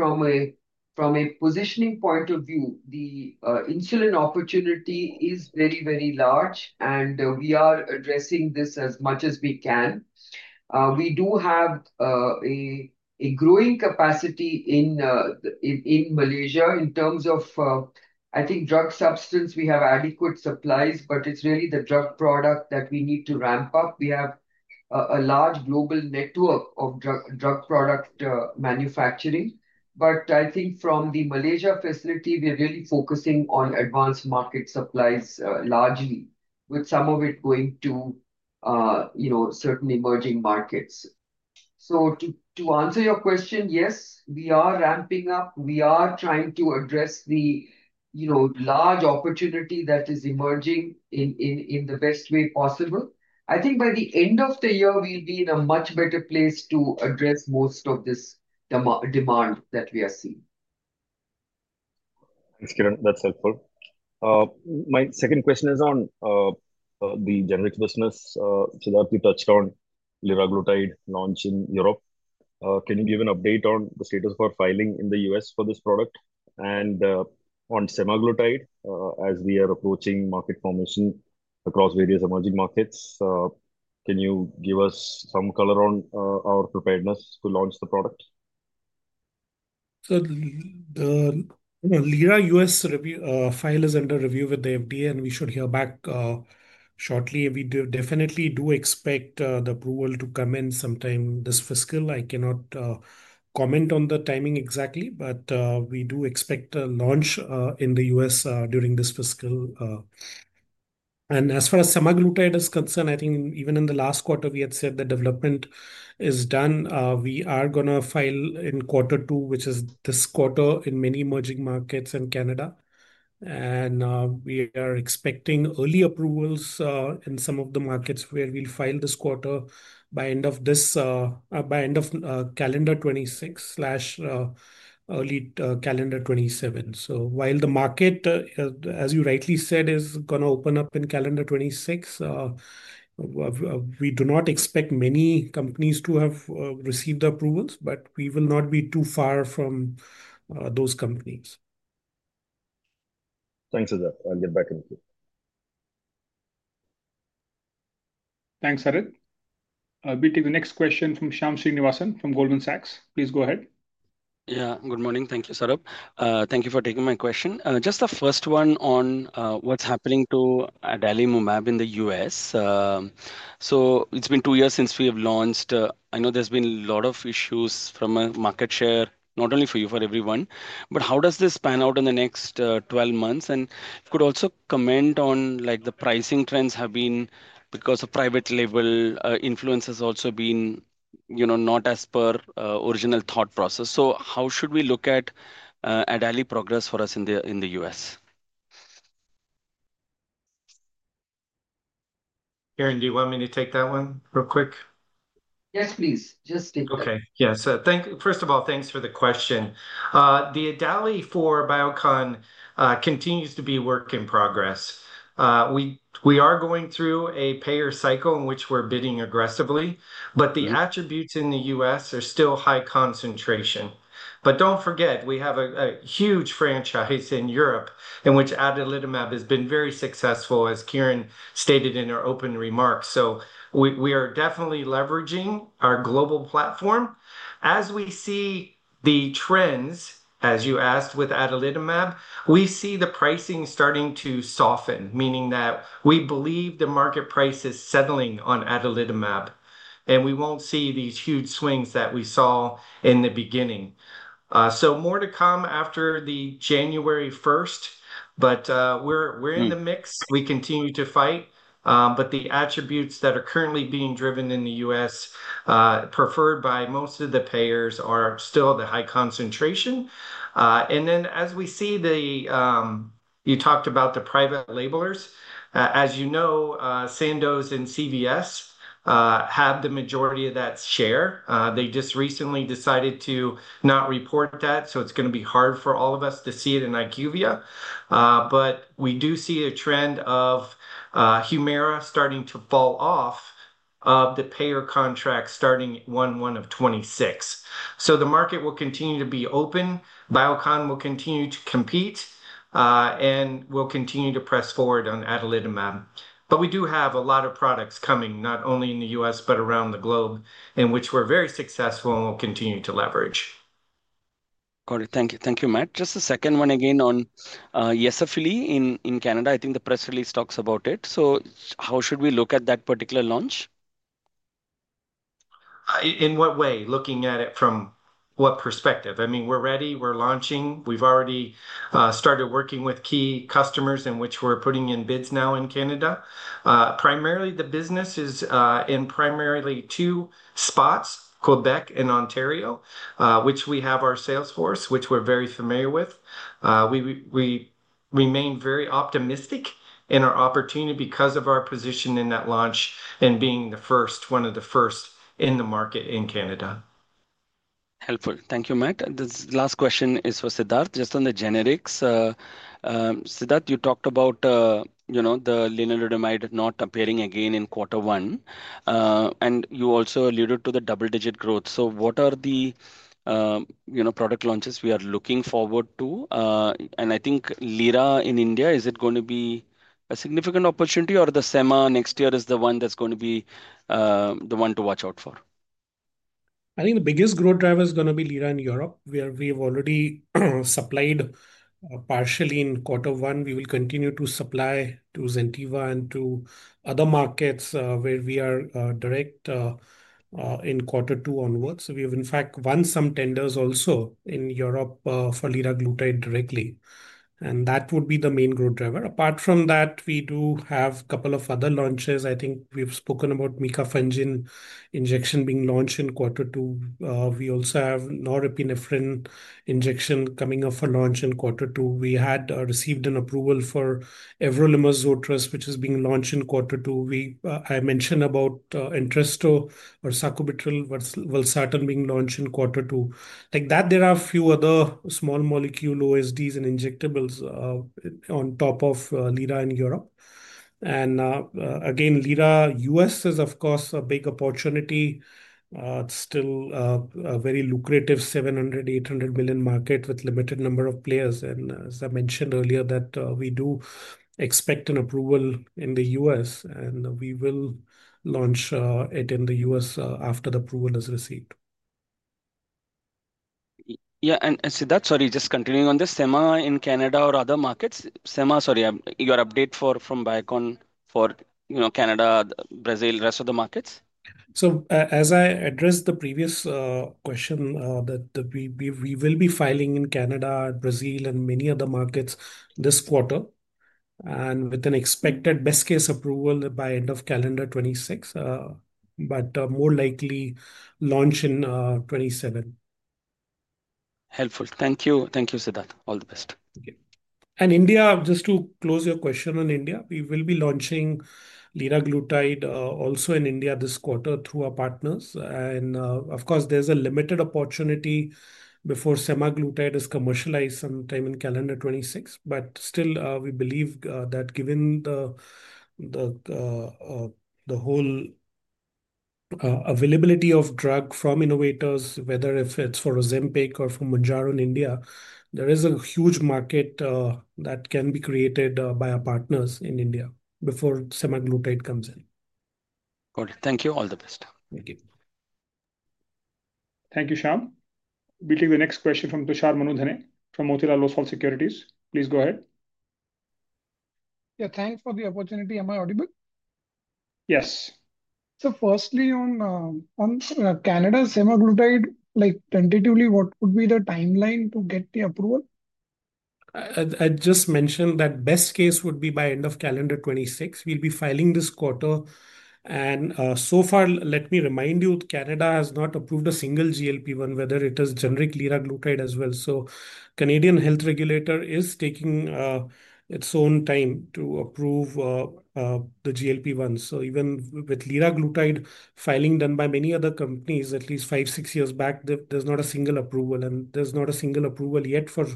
from a positioning point of view, the insulin opportunity is very, very large, and we are addressing this as much as we can. We do have a growing capacity in Malaysia in terms of, I think, drug substance. We have adequate supplies, but it's really the drug product that we need to ramp up. We have a large global network of drug product manufacturing. I think from the Malaysia facility, we're really focusing on advanced market supplies largely, with some of it going to certain emerging markets. To answer your question, yes, we are ramping up. We are trying to address the large opportunity that is emerging in the best way possible. I think by the end of the year, we'll be in a much better place to address most of this demand that we are seeing. Thanks, Kiran. That's helpful. My second question is on the generics business. Suresh, you touched on liraglutide launch in Europe. Can you give an update on the status of our filing in the U.S. for this product? On semaglutide, as we are approaching market formation across various emerging markets, can you give us some color on our preparedness to launch the product? The liraglutide U.S. file is under review with the FDA, and we should hear back shortly. We definitely do expect the approval to come in sometime this fiscal. I cannot comment on the timing exactly, but we do expect a launch in the U.S. during this fiscal. As far as semaglutide is concerned, I think even in the last quarter, we had said the development is done. We are going to file in quarter two, which is this quarter, in many emerging markets and Canada. We are expecting early approvals in some of the markets where we'll file this quarter by end of calendar 2026 or early calendar 2027. While the market, as you rightly said, is going to open up in calendar 2026, we do not expect many companies to have received the approvals. We will not be too far from those companies. Thanks, Siddharth. I'll get back in a few. Thanks, Harith. We'll take the next question from Shyam Srinivasan from Goldman Sachs. Please go ahead. Yeah, good morning. Thank you, Saurabh. Thank you for taking my question. Just the first one on what's happening to adalimumab in the U.S. It's been two years since we have launched. I know there's been a lot of issues from a market share, not only for you, for everyone. How does this pan out in the next 12 months? Could you also comment on the pricing trends, because private level influences have also been not as per original thought process. How should we look at adalimumab progress for us in the U.S.? Kiran, do you want me to take that one real quick? Yes, please. Just take it. OK, yeah. First of all, thanks for the question. The adali for Biocon continues to be work in progress. We are going through a payer cycle in which we're bidding aggressively. The attributes in the U.S. are still high concentration. Don't forget, we have a huge franchise in Europe in which adalimumab has been very successful, as Kiran stated in her open remarks. We are definitely leveraging our global platform. As we see the trends, as you asked with adalimumab, we see the pricing starting to soften, meaning that we believe the market price is settling on adalimumab. We won't see these huge swings that we saw in the beginning. More to come after January 1st. We're in the mix. We continue to fight. The attributes that are currently being driven in the U.S. preferred by most of the payers are still the high concentration. As we see the, you talked about the private labelers. As you know, Sandoz and CVS have the majority of that share. They just recently decided to not report that. It's going to be hard for all of us to see it in IQVIA. We do see a trend of Humira starting to fall off of the payer contract starting 01/01/2026. The market will continue to be open. Biocon will continue to compete. We'll continue to press forward on adalimumab. We do have a lot of products coming, not only in the U.S., but around the globe, in which we're very successful and will continue to leverage. Got it. Thank you. Thank you, Matt. Just a second one again on Yesafili in Canada. I think the press release talks about it. How should we look at that particular launch? In what way, looking at it from what perspective? I mean, we're ready. We're launching. We've already started working with key customers in which we're putting in bids now in Canada. Primarily, the business is in two spots, Quebec and Ontario, which we have our sales force, which we're very familiar with. We remain very optimistic in our opportunity because of our position in that launch and being the first, one of the first in the market in Canada. Helpful. Thank you, Matt. The last question is for Siddharth, just on the generics. Siddharth, you talked about the lenalidomide not appearing again in quarter one. You also alluded to the double-digit growth. What are the product launches we are looking forward to? I think lira in India, is it going to be a significant opportunity? The sema, next year, is the one that's going to be the one to watch out for? I think the biggest growth driver is going to be liraglutide in Europe, where we have already supplied partially in quarter one. We will continue to supply to Zentiva and to other markets where we are direct in quarter two onwards. We have, in fact, won some tenders also in Europe for liraglutide directly. That would be the main growth driver. Apart from that, we do have a couple of other launches. I think we've spoken about micafungin injection being launched in quarter two. We also have norepinephrine injection coming up for launch in quarter two. We had received an approval for everolimus Zortress, which is being launched in quarter two. I mentioned about Entresto or sacubitril/valsartan, being launched in quarter two. There are a few other small molecule OSDs and injectables on top of liraglutide in Europe. Liraglutide U.S. is, of course, a big opportunity. It's still a very lucrative $700 million, $800 million market with a limited number of players. As I mentioned earlier, we do expect an approval in the U.S., and we will launch it in the U.S. after the approval is received. Yeah, Siddharth, sorry, just continuing on this, sema in Canada or other markets? Sema, sorry, your update from Biocon for Canada, Brazil, the rest of the markets? As I addressed the previous question, we will be filing in Canada, Brazil, and many other markets this quarter, with an expected best-case approval by end of calendar 2026, but more likely launch in 2027. Helpful. Thank you. Thank you, Siddharth. All the best. In India, just to close your question on India, we will be launching liraglutide also in India this quarter through our partners. Of course, there's a limited opportunity before semaglutide is commercialized sometime in calendar 2026. Still, we believe that given the whole availability of drug from innovators, whether it's for Ozempic or for Mounjaro in India, there is a huge market that can be created by our partners in India before semaglutide comes in. Got it. Thank you. All the best. Thank you. Thank you, Shyam. We'll take the next question from Tushar Manudhane from Motilal Oswal Securities. Please go ahead. Yeah, thanks for the opportunity. Am I audible? Yes. Firstly, on Canada's semaglutide, like tentatively, what would be the timeline to get the approval? I just mentioned that best case would be by end of calendar 2026. We'll be filing this quarter. Let me remind you, Canada has not approved a single GLP-1, whether it is generic liraglutide as well. The Canadian health regulator is taking its own time to approve the GLP-1s. Even with liraglutide filing done by many other companies, at least five, six years back, there's not a single approval. There's not a single approval yet for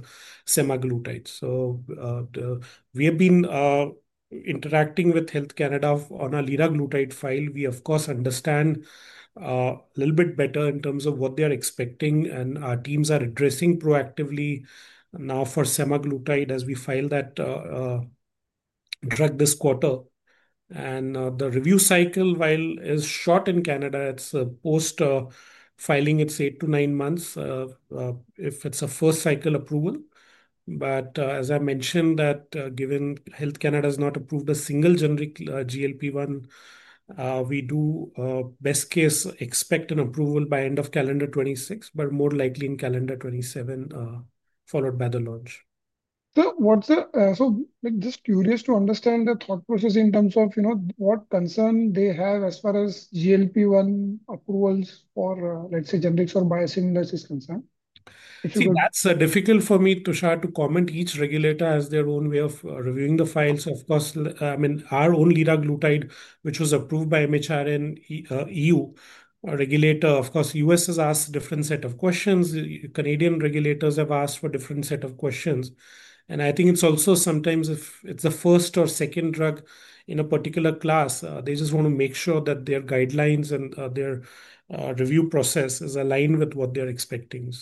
semaglutide. We have been interacting with Health Canada on our liraglutide file. We, of course, understand a little bit better in terms of what they are expecting. Our teams are addressing proactively now for semaglutide as we file that drug this quarter. The review cycle, while it's short in Canada, post-filing it's eight to nine months if it's a first cycle approval. As I mentioned, given Health Canada has not approved a single generic GLP-1, we do best case expect an approval by end of calendar 2026, but more likely in calendar 2027, followed by the launch. I'm just curious to understand the thought process in terms of what concern they have as far as GLP-1 approvals for, let's say, generics or biosimilar systems. That's difficult for me, Tushar, to comment. Each regulator has their own way of reviewing the files. Of course, I mean, our own liraglutide, which was approved by MHRA and E.U. regulator, of course, the U.S. has asked a different set of questions. Canadian regulators have asked a different set of questions. I think it's also sometimes if it's a first or second drug in a particular class, they just want to make sure that their guidelines and their review process is aligned with what they're expecting.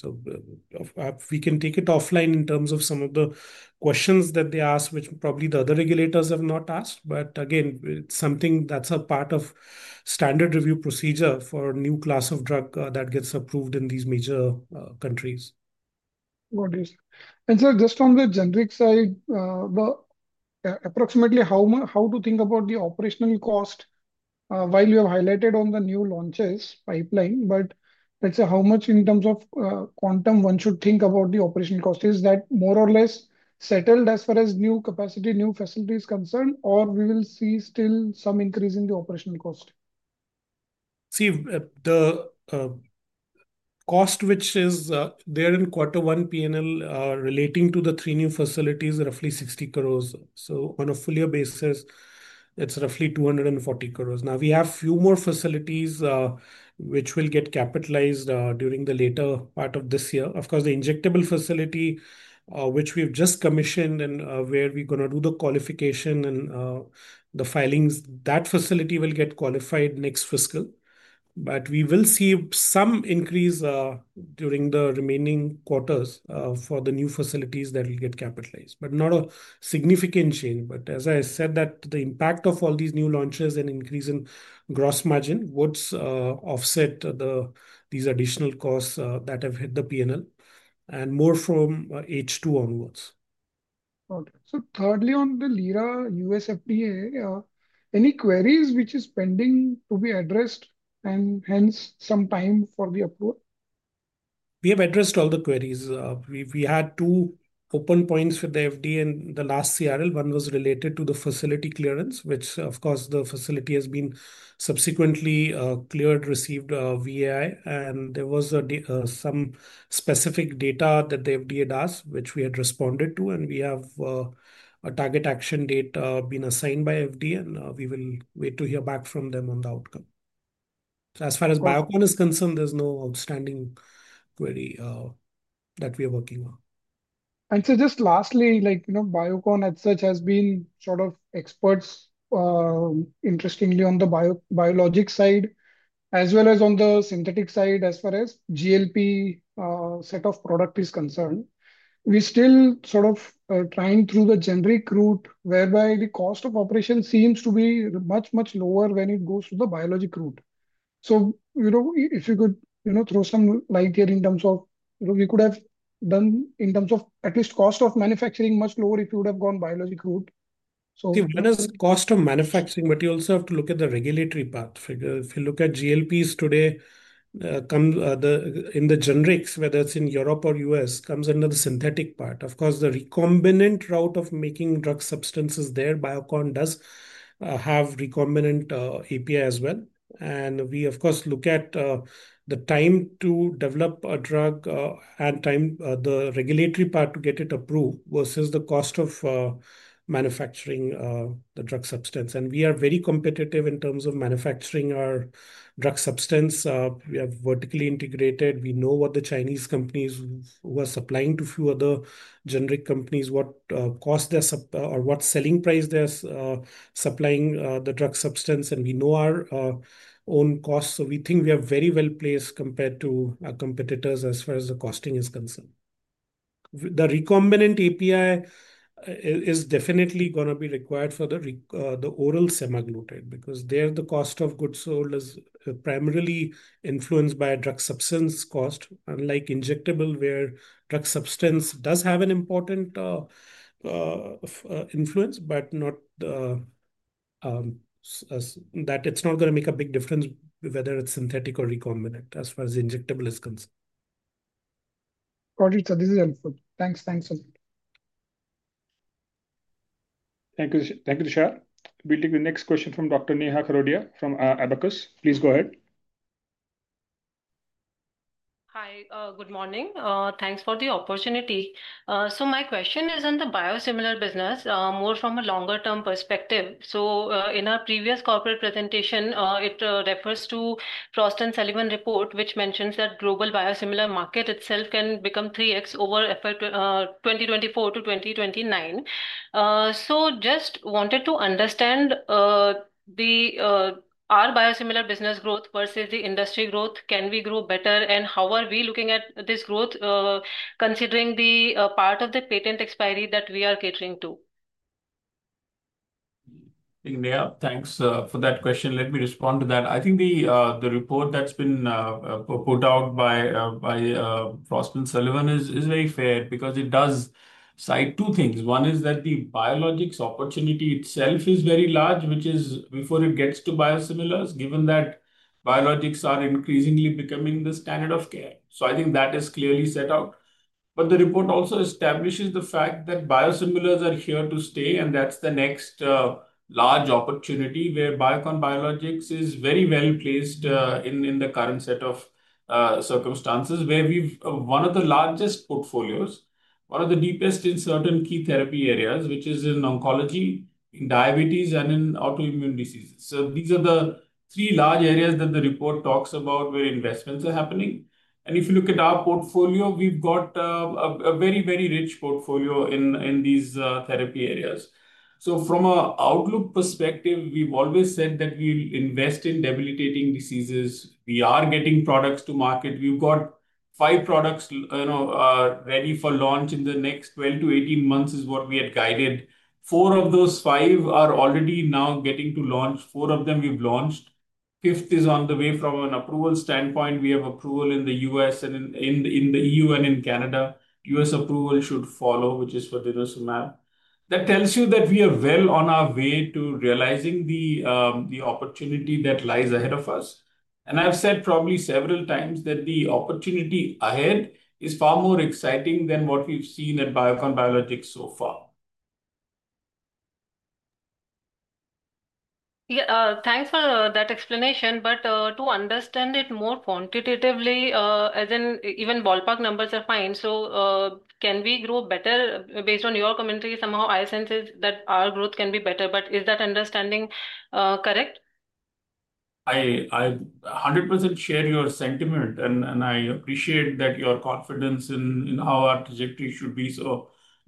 We can take it offline in terms of some of the questions that they ask, which probably the other regulators have not asked. Again, it's something that's a part of standard review procedure for a new class of drug that gets approved in these major countries. Got it. Just on the generics side, approximately how to think about the operational cost while you have highlighted on the new launches pipeline. Let's say how much in terms of quantum one should think about the operational cost? Is that more or less settled as far as new capacity, new facilities concerned? Will we see still some increase in the operational cost? See, the cost which is there in quarter one P&L relating to the three new facilities is roughly 60 crore. On a full-year basis, it's roughly 240 crore. We have a few more facilities which will get capitalized during the later part of this year. Of course, the injectable facility, which we have just commissioned and where we're going to do the qualification and the filings, that facility will get qualified next fiscal. We will see some increase during the remaining quarters for the new facilities that will get capitalized, but not a significant change. As I said, the impact of all these new launches and increase in gross margin would offset these additional costs that have hit the P&L and more from H2 onwards. OK. Thirdly, on the liraglutide U.S. FDA, any queries which are pending to be addressed and hence some time for the approval? We have addressed all the queries. We had two open points with the FDA in the last CRL. One was related to the facility clearance, which, of course, the facility has been subsequently cleared, received VAI. There was some specific data that the FDA does, which we had responded to. We have a target action date been assigned by FDA, and we will wait to hear back from them on the outcome. As far as Biocon is concerned, there's no outstanding query that we are working on. Biocon as such has been sort of experts, interestingly, on the biologic side as well as on the synthetic side as far as GLP set of product is concerned. We still sort of are trying through the generic route, whereby the cost of operation seems to be much, much lower when it goes to the biologic route. If you could throw some light here in terms of we could have done in terms of at least cost of manufacturing much lower if you would have gone biologic route. See, one is the cost of manufacturing. You also have to look at the regulatory path. If you look at GLPs today, in the generics, whether it's in Europe or the U.S., it comes under the synthetic part. Of course, the recombinant route of making drug substances there, Biocon does have recombinant API as well. We, of course, look at the time to develop a drug and the regulatory path to get it approved versus the cost of manufacturing the drug substance. We are very competitive in terms of manufacturing our drug substance. We are vertically integrated. We know what the Chinese companies who are supplying to a few other generic companies, what cost or what selling price they are supplying the drug substance. We know our own costs. We think we are very well placed compared to our competitors as far as the costing is concerned. The recombinant API is definitely going to be required for the oral semaglutide because there the cost of goods sold is primarily influenced by a drug substance cost, unlike injectable, where drug substance does have an important influence, but it's not going to make a big difference whether it's synthetic or recombinant as far as the injectable is concerned. Got it. This is helpful. Thanks, thanks, thanks. Thank you, Tushar. We'll take the next question from Dr. Neha Kharodia from Abakkus. Please go ahead. Hi, good morning. Thanks for the opportunity. My question is on the biosimilar business, more from a longer-term perspective. In our previous corporate presentation, it refers to the Frost & Sullivan report, which mentions that the global biosimilar market itself can become 3x over 2024-2029. I just wanted to understand our biosimilar business growth versus the industry growth. Can we grow better? How are we looking at this growth, considering the part of the patent expiry that we are catering to? I think, Neha, thanks for that question. Let me respond to that. I think the report that's been put out by Frost & Sullivan is very fair because it does cite two things. One is that the biologics opportunity itself is very large, which is before it gets to biosimilars, given that biologics are increasingly becoming the standard of care. I think that is clearly set out. The report also establishes the fact that biosimilars are here to stay. That's the next large opportunity where Biocon Biologics is very well placed in the current set of circumstances, where we have one of the largest portfolios, one of the deepest in certain key therapy areas, which is in oncology, in diabetes, and in autoimmune diseases. These are the three large areas that the report talks about where investments are happening. If you look at our portfolio, we've got a very, very rich portfolio in these therapy areas. From an outlook perspective, we've always said that we invest in debilitating diseases. We are getting products to market. We've got five products ready for launch in the next 12-18 months, is what we had guided. Four of those five are already now getting to launch. Four of them we've launched. Fifth is on the way from an approval standpoint. We have approval in the U.S. and in the E.U. and in Canada. U.S. approval should follow, which is for denosumab. That tells you that we are well on our way to realizing the opportunity that lies ahead of us. I've said probably several times that the opportunity ahead is far more exciting than what we've seen at Biocon Biologics so far. Yeah, thanks for that explanation. To understand it more quantitatively, even ballpark numbers are fine. Can we grow better based on your community? Somehow I sense that our growth can be better. Is that understanding correct? I 100% share your sentiment. I appreciate your confidence in how our trajectory should be.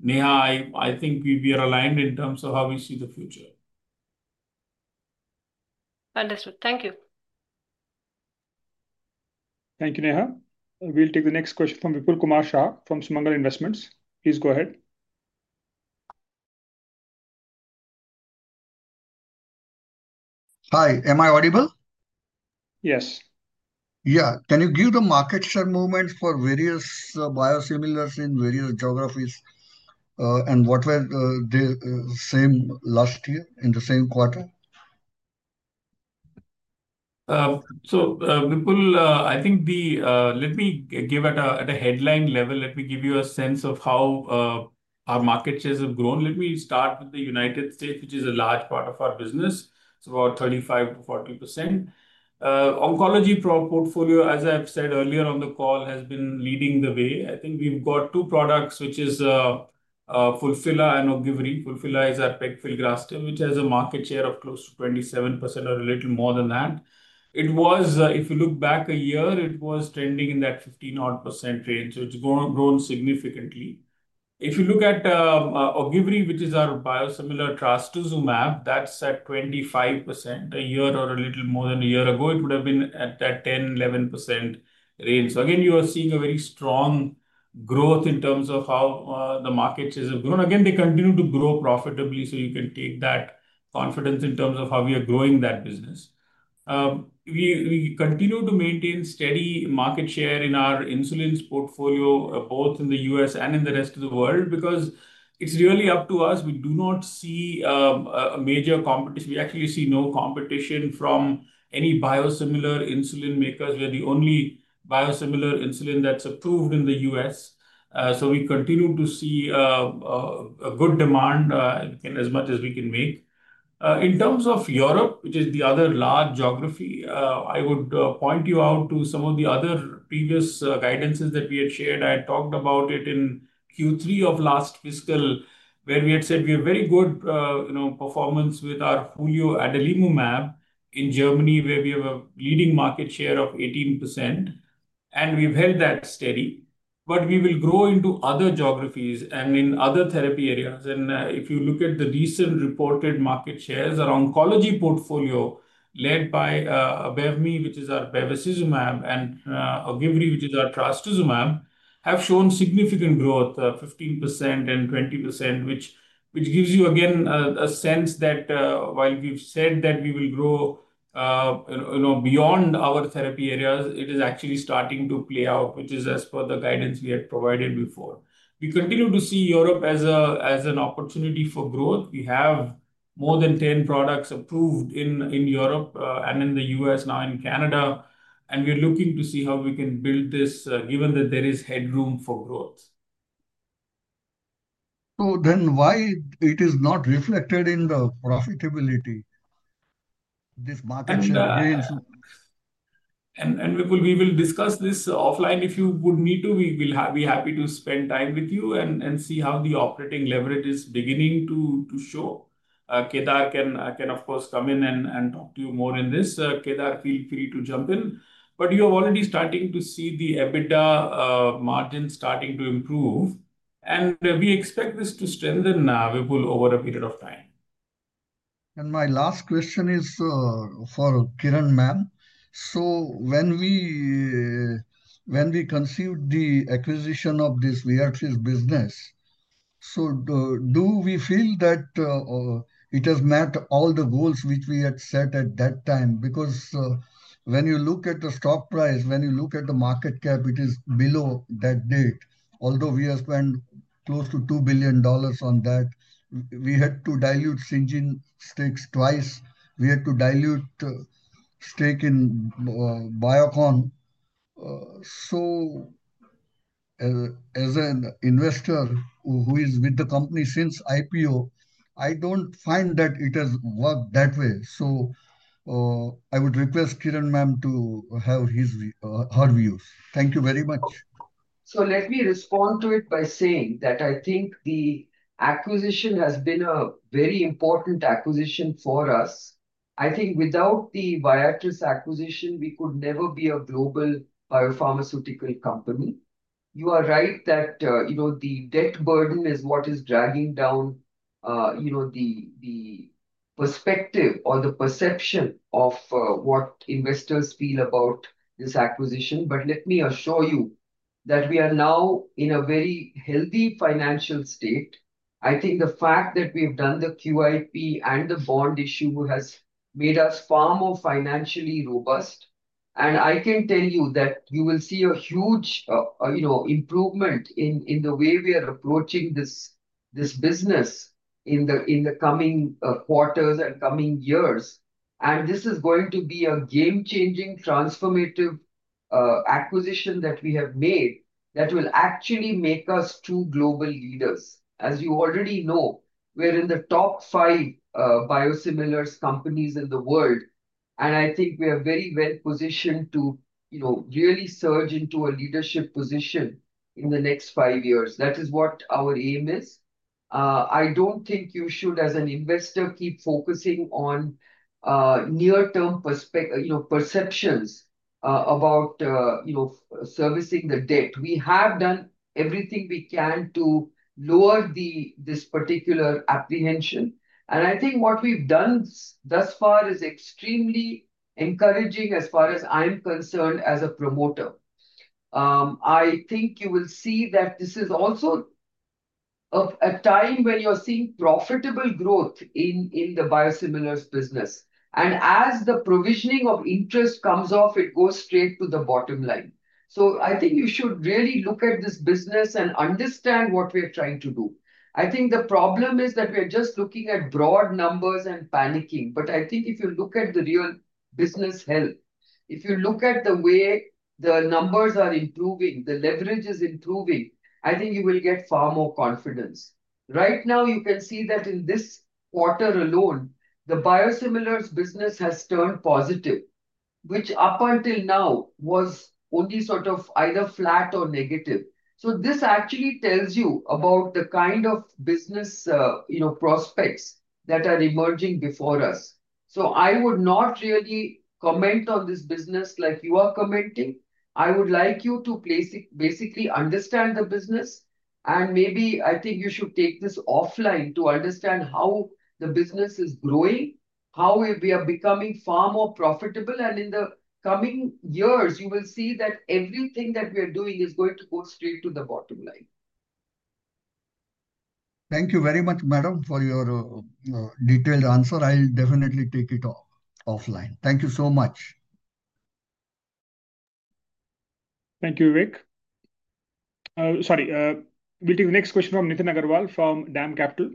Neha, I think we are aligned in terms of how we see the future. Understood. Thank you. Thank you, Neha. We'll take the next question from Vipulkumar Shah from Sumangal Investments. Please go ahead. Hi, am I audible? Yes. Yeah, can you give the market share movement for various biosimilars in various geographies? What were they saying last year in the same quarter? Vipul, I think let me give at a headline level. Let me give you a sense of how our market shares have grown. Let me start with the United States, which is a large part of our business. It's about 35%-40%. Oncology portfolio, as I've said earlier on the call, has been leading the way. I think we've got two products, which are Fulphila and Ogivri. Fulphila is our pegfilgrastim, which has a market share of close to 20.7% or a little more than that. It was, if you look back a year, it was trending in that 15% odd range. It's grown significantly. If you look at Ogivri, which is our biosimilar trastuzumab, that's at 25% a year or a little more than a year ago. It would have been at that 10%-11% range. You are seeing a very strong growth in terms of how the market shares have grown. They continue to grow profitably. You can take that confidence in terms of how we are growing that business. We continue to maintain steady market share in our insulin portfolio, both in the U.S. and in the rest of the world, because it's really up to us. We do not see a major competition. We actually see no competition from any biosimilar insulin makers. We are the only biosimilar insulin that's approved in the U.S. We continue to see a good demand as much as we can make. In terms of Europe, which is the other large geography, I would point you out to some of the other previous guidances that we had shared. I had talked about it in Q3 of last fiscal, where we had said we have very good performance with our Hulio adalimumab in Germany, where we have a leading market share of 18%. We've held that steady. We will grow into other geographies and in other therapy areas. If you look at the recent reported market shares, our oncology portfolio, led by Abevmy, which is our bevacizumab, and Ogivri, which is our trastuzumab, have shown significant growth, 15% and 20%, which gives you again a sense that while we've said that we will grow beyond our therapy areas, it is actually starting to play out, which is as per the guidance we had provided before. We continue to see Europe as an opportunity for growth. We have more than 10 products approved in Europe and in the U.S., now in Canada. We are looking to see how we can build this, given that there is headroom for growth. Why is it not reflected in the profitability? We will discuss this offline. If you would need to, we will be happy to spend time with you and see how the operating leverage is beginning to show. Kedar can, of course, come in and talk to you more in this. Kedar, feel free to jump in. You're already starting to see the EBITDA margin starting to improve, and we expect this to strengthen over a period of time. My last question is for Kiran ma'am. When we conceived the acquisition of this Viatris business, do we feel that it has met all the goals which we had set at that time? When you look at the stock price, when you look at the market cap, it is below that date. Although we have spent close to $2 billion on that, we had to dilute Syngene stakes twice. We had to dilute stake in Biocon. As an investor who is with the company since IPO, I don't find that it has worked that way. I would request Kiran ma'am to have his or her views. Thank you very much. Let me respond to it by saying that I think the acquisition has been a very important acquisition for us. I think without the Viatris acquisition, we could never be a global biopharmaceutical company. You are right that the debt burden is what is dragging down the perspective or the perception of what investors feel about this acquisition. Let me assure you that we are now in a very healthy financial state. I think the fact that we have done the QIP and the bond issue has made us far more financially robust. I can tell you that you will see a huge improvement in the way we are approaching this business in the coming quarters and coming years. This is going to be a game-changing, transformative acquisition that we have made that will actually make us two global leaders. As you already know, we're in the top five biosimilars companies in the world. I think we are very well positioned to really surge into a leadership position in the next five years. That is what our aim is. I don't think you should, as an investor, keep focusing on near-term perceptions about servicing the debt. We have done everything we can to lower this particular apprehension. I think what we've done thus far is extremely encouraging as far as I'm concerned as a promoter. I think you will see that this is also a time where you're seeing profitable growth in the biosimilars business. As the provisioning of interest comes off, it goes straight to the bottom line. I think you should really look at this business and understand what we're trying to do. The problem is that we're just looking at broad numbers and panicking. I think if you look at the real business health, if you look at the way the numbers are improving, the leverage is improving, I think you will get far more confidence. Right now, you can see that in this quarter alone, the biosimilars business has turned positive, which up until now was only sort of either flat or negative. This actually tells you about the kind of business prospects that are emerging before us. I would not really comment on this business like you are commenting. I would like you to basically understand the business. Maybe I think you should take this offline to understand how the business is growing, how we are becoming far more profitable. In the coming years, you will see that everything that we are doing is going to go straight to the bottom line. Thank you very much, Madam, for your detailed answer. I'll definitely take it offline. Thank you so much. Thank you, Erick. Sorry. We'll take the next question from Nitin Agarwal from DAM Capital.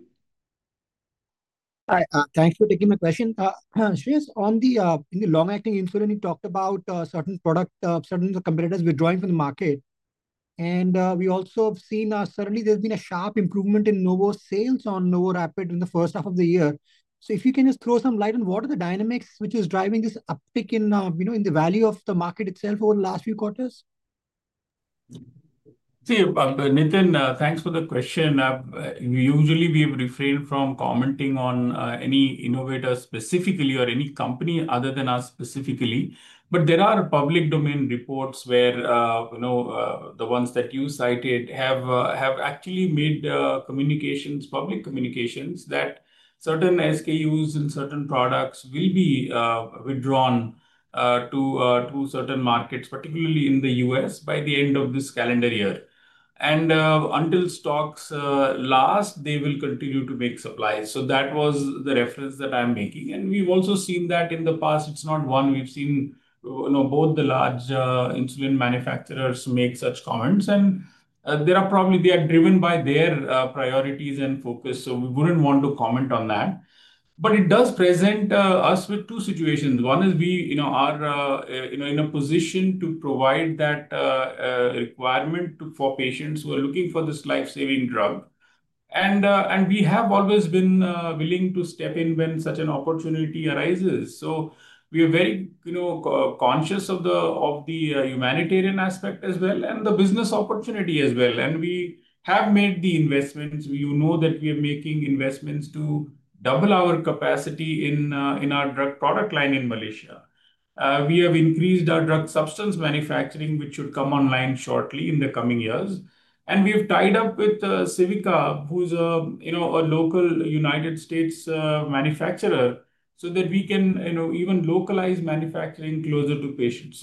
Hi. Thanks for taking my question. Shreehas, in the long-acting insulin, you talked about certain products, certain competitors withdrawing from the market. We also have seen suddenly there's been a sharp improvement in Novo sales on Novorapid in the first half of the year. If you can just throw some light on what are the dynamics which are driving this uptick in the value of the market itself over the last few quarters? Nitin, thanks for the question. Usually, we have refrained from commenting on any innovator specifically or any company other than us specifically. There are public domain reports where the ones that you cited have actually made communications, public communications that certain SKUs and certain products will be withdrawn from certain markets, particularly in the U.S., by the end of this calendar year. Until stocks last, they will continue to make supplies. That was the reference that I'm making. We've also seen that in the past. It's not one. We've seen both the large insulin manufacturers make such comments. They are probably driven by their priorities and focus. We wouldn't want to comment on that. It does present us with two situations. One is we are in a position to provide that requirement for patients who are looking for this lifesaving drug. We have always been willing to step in when such an opportunity arises. We are very conscious of the humanitarian aspect as well and the business opportunity as well. We have made the investments. You know that we are making investments to double our capacity in our drug product line in Malaysia. We have increased our drug substance manufacturing, which should come online shortly in the coming years. We've tied up with Civica, who's a local United States manufacturer, so that we can even localize manufacturing closer to patients.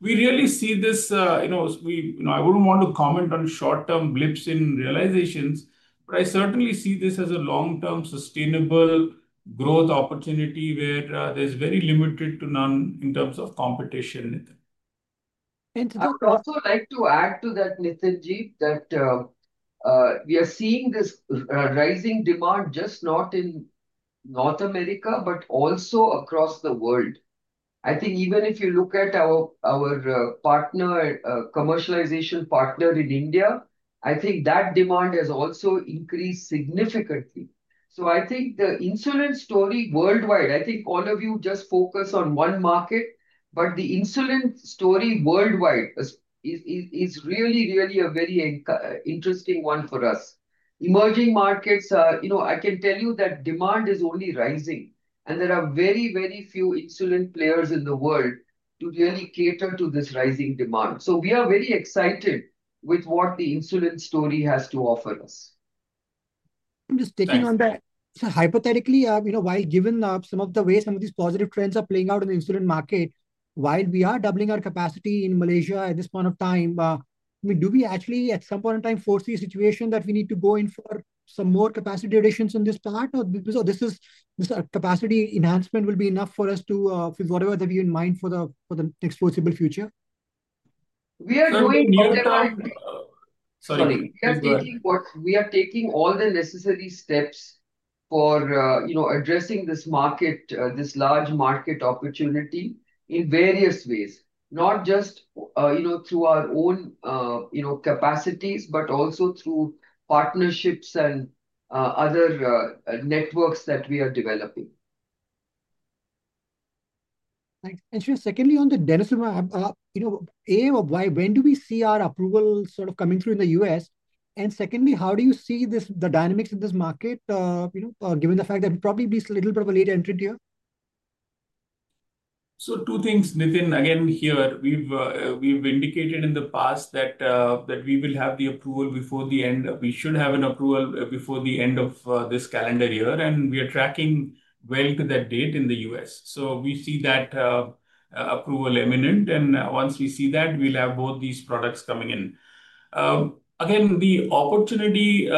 We really see this. I wouldn't want to comment on short-term blips in realizations, but I certainly see this as a long-term sustainable growth opportunity where there's very limited to none in terms of competition. I would also like to add to that, Nitinjeet, that we are seeing this rising demand not just in North America, but also across the world. I think even if you look at our commercialization partner in India, I think that demand has also increased significantly. I think the insulin story worldwide, I think all of you just focus on one market, but the insulin story worldwide is really, really a very interesting one for us. Emerging markets are, you know, I can tell you that demand is only rising. There are very, very few insulin players in the world to really cater to this rising demand. We are very excited with what the insulin story has to offer us. Just taking on that, hypothetically, you know, given some of the ways some of these positive trends are playing out in the insulin market, while we are doubling our capacity in Malaysia at this point of time, do we actually, at some point in time, foresee a situation that we need to go in for some more capacity additions in this part? Or is this capacity enhancement enough for us to fill whatever we have in mind for the next foreseeable future? We are taking all the necessary steps for addressing this market, this large market opportunity in various ways, not just through our own capacities, but also through partnerships and other networks that we are developing. Thanks. Shreehas, secondly, on the denosumab, A, when do we see our approval sort of coming through in the U.S.? Secondly, how do you see the dynamics in this market, given the fact that it probably is a little bit of a late entry tier? Two things, Nitin. Here, we've indicated in the past that we will have the approval before the end. We should have an approval before the end of this calendar year, and we are tracking well to that date in the U.S. We see that approval imminent. Once we see that, we'll have both these products coming in. The opportunity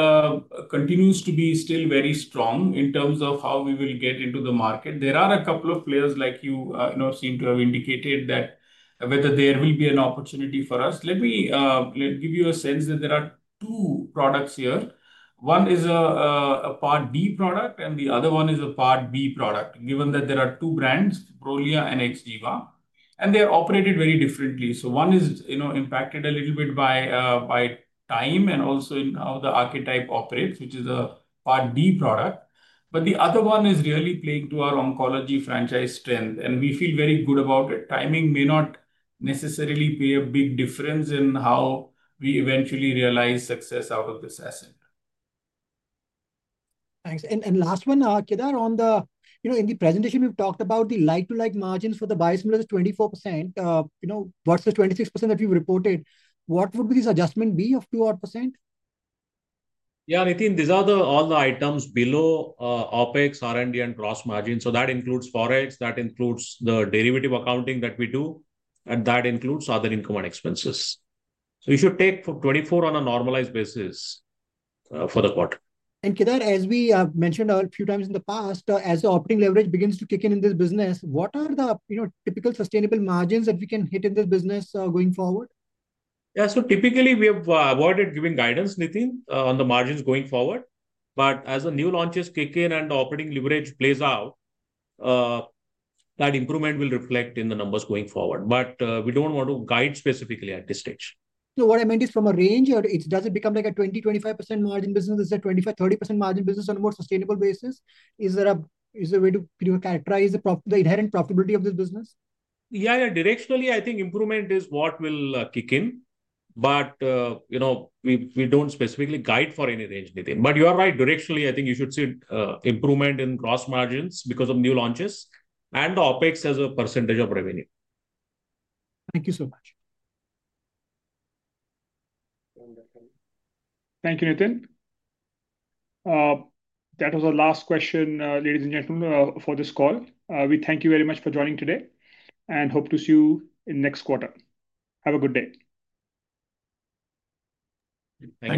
continues to be still very strong in terms of how we will get into the market. There are a couple of players, like you seem to have indicated, that whether there will be an opportunity for us. Let me give you a sense that there are two products here. One is a Part D product, and the other one is a Part B product, given that there are two brands, Prolia and Xgeva. They are operated very differently. One is impacted a little bit by time and also in how the archetype operates, which is a Part D product. The other one is really playing to our oncology franchise strength, and we feel very good about it. Timing may not necessarily be a big difference in how we eventually realize success out of this asset. Thanks. Last one, Kedar, in the presentation, we've talked about the like-to-like margins for the biosimilars is 24%. You know, what's the 26% that we've reported? What would this adjustment be of 2%? Yeah, Nitin, these are all the items below OpEx, R&D, and gross margins. That includes forex, the derivative accounting that we do, and other income and expenses. You should take 24% on a normalized basis for the quarter. Kedar, as we have mentioned a few times in the past, as the operating leverage begins to kick in in this business, what are the typical sustainable margins that we can hit in this business going forward? Yeah, typically, we have avoided giving guidance, Nitin, on the margins going forward. As the new launches kick in and the operating leverage plays out, that improvement will reflect in the numbers going forward. We don't want to guide specifically at this stage. What I meant is from a range, does it become like a 20%-25% margin business? Is it a 25%-30% margin business on a more sustainable basis? Is there a way to characterize the inherent profitability of this business? Yeah, yeah, directionally, I think improvement is what will kick in. You know, we don't specifically guide for any range, Nitin. You are right. Directionally, I think you should see improvement in gross margins because of new launches and OpEx as a percentage of revenue. Thank you so much. Thank you, Nitin. That was our last question, ladies and gentlemen, for this call. We thank you very much for joining today and hope to see you in the next quarter. Have a good day. Thank you.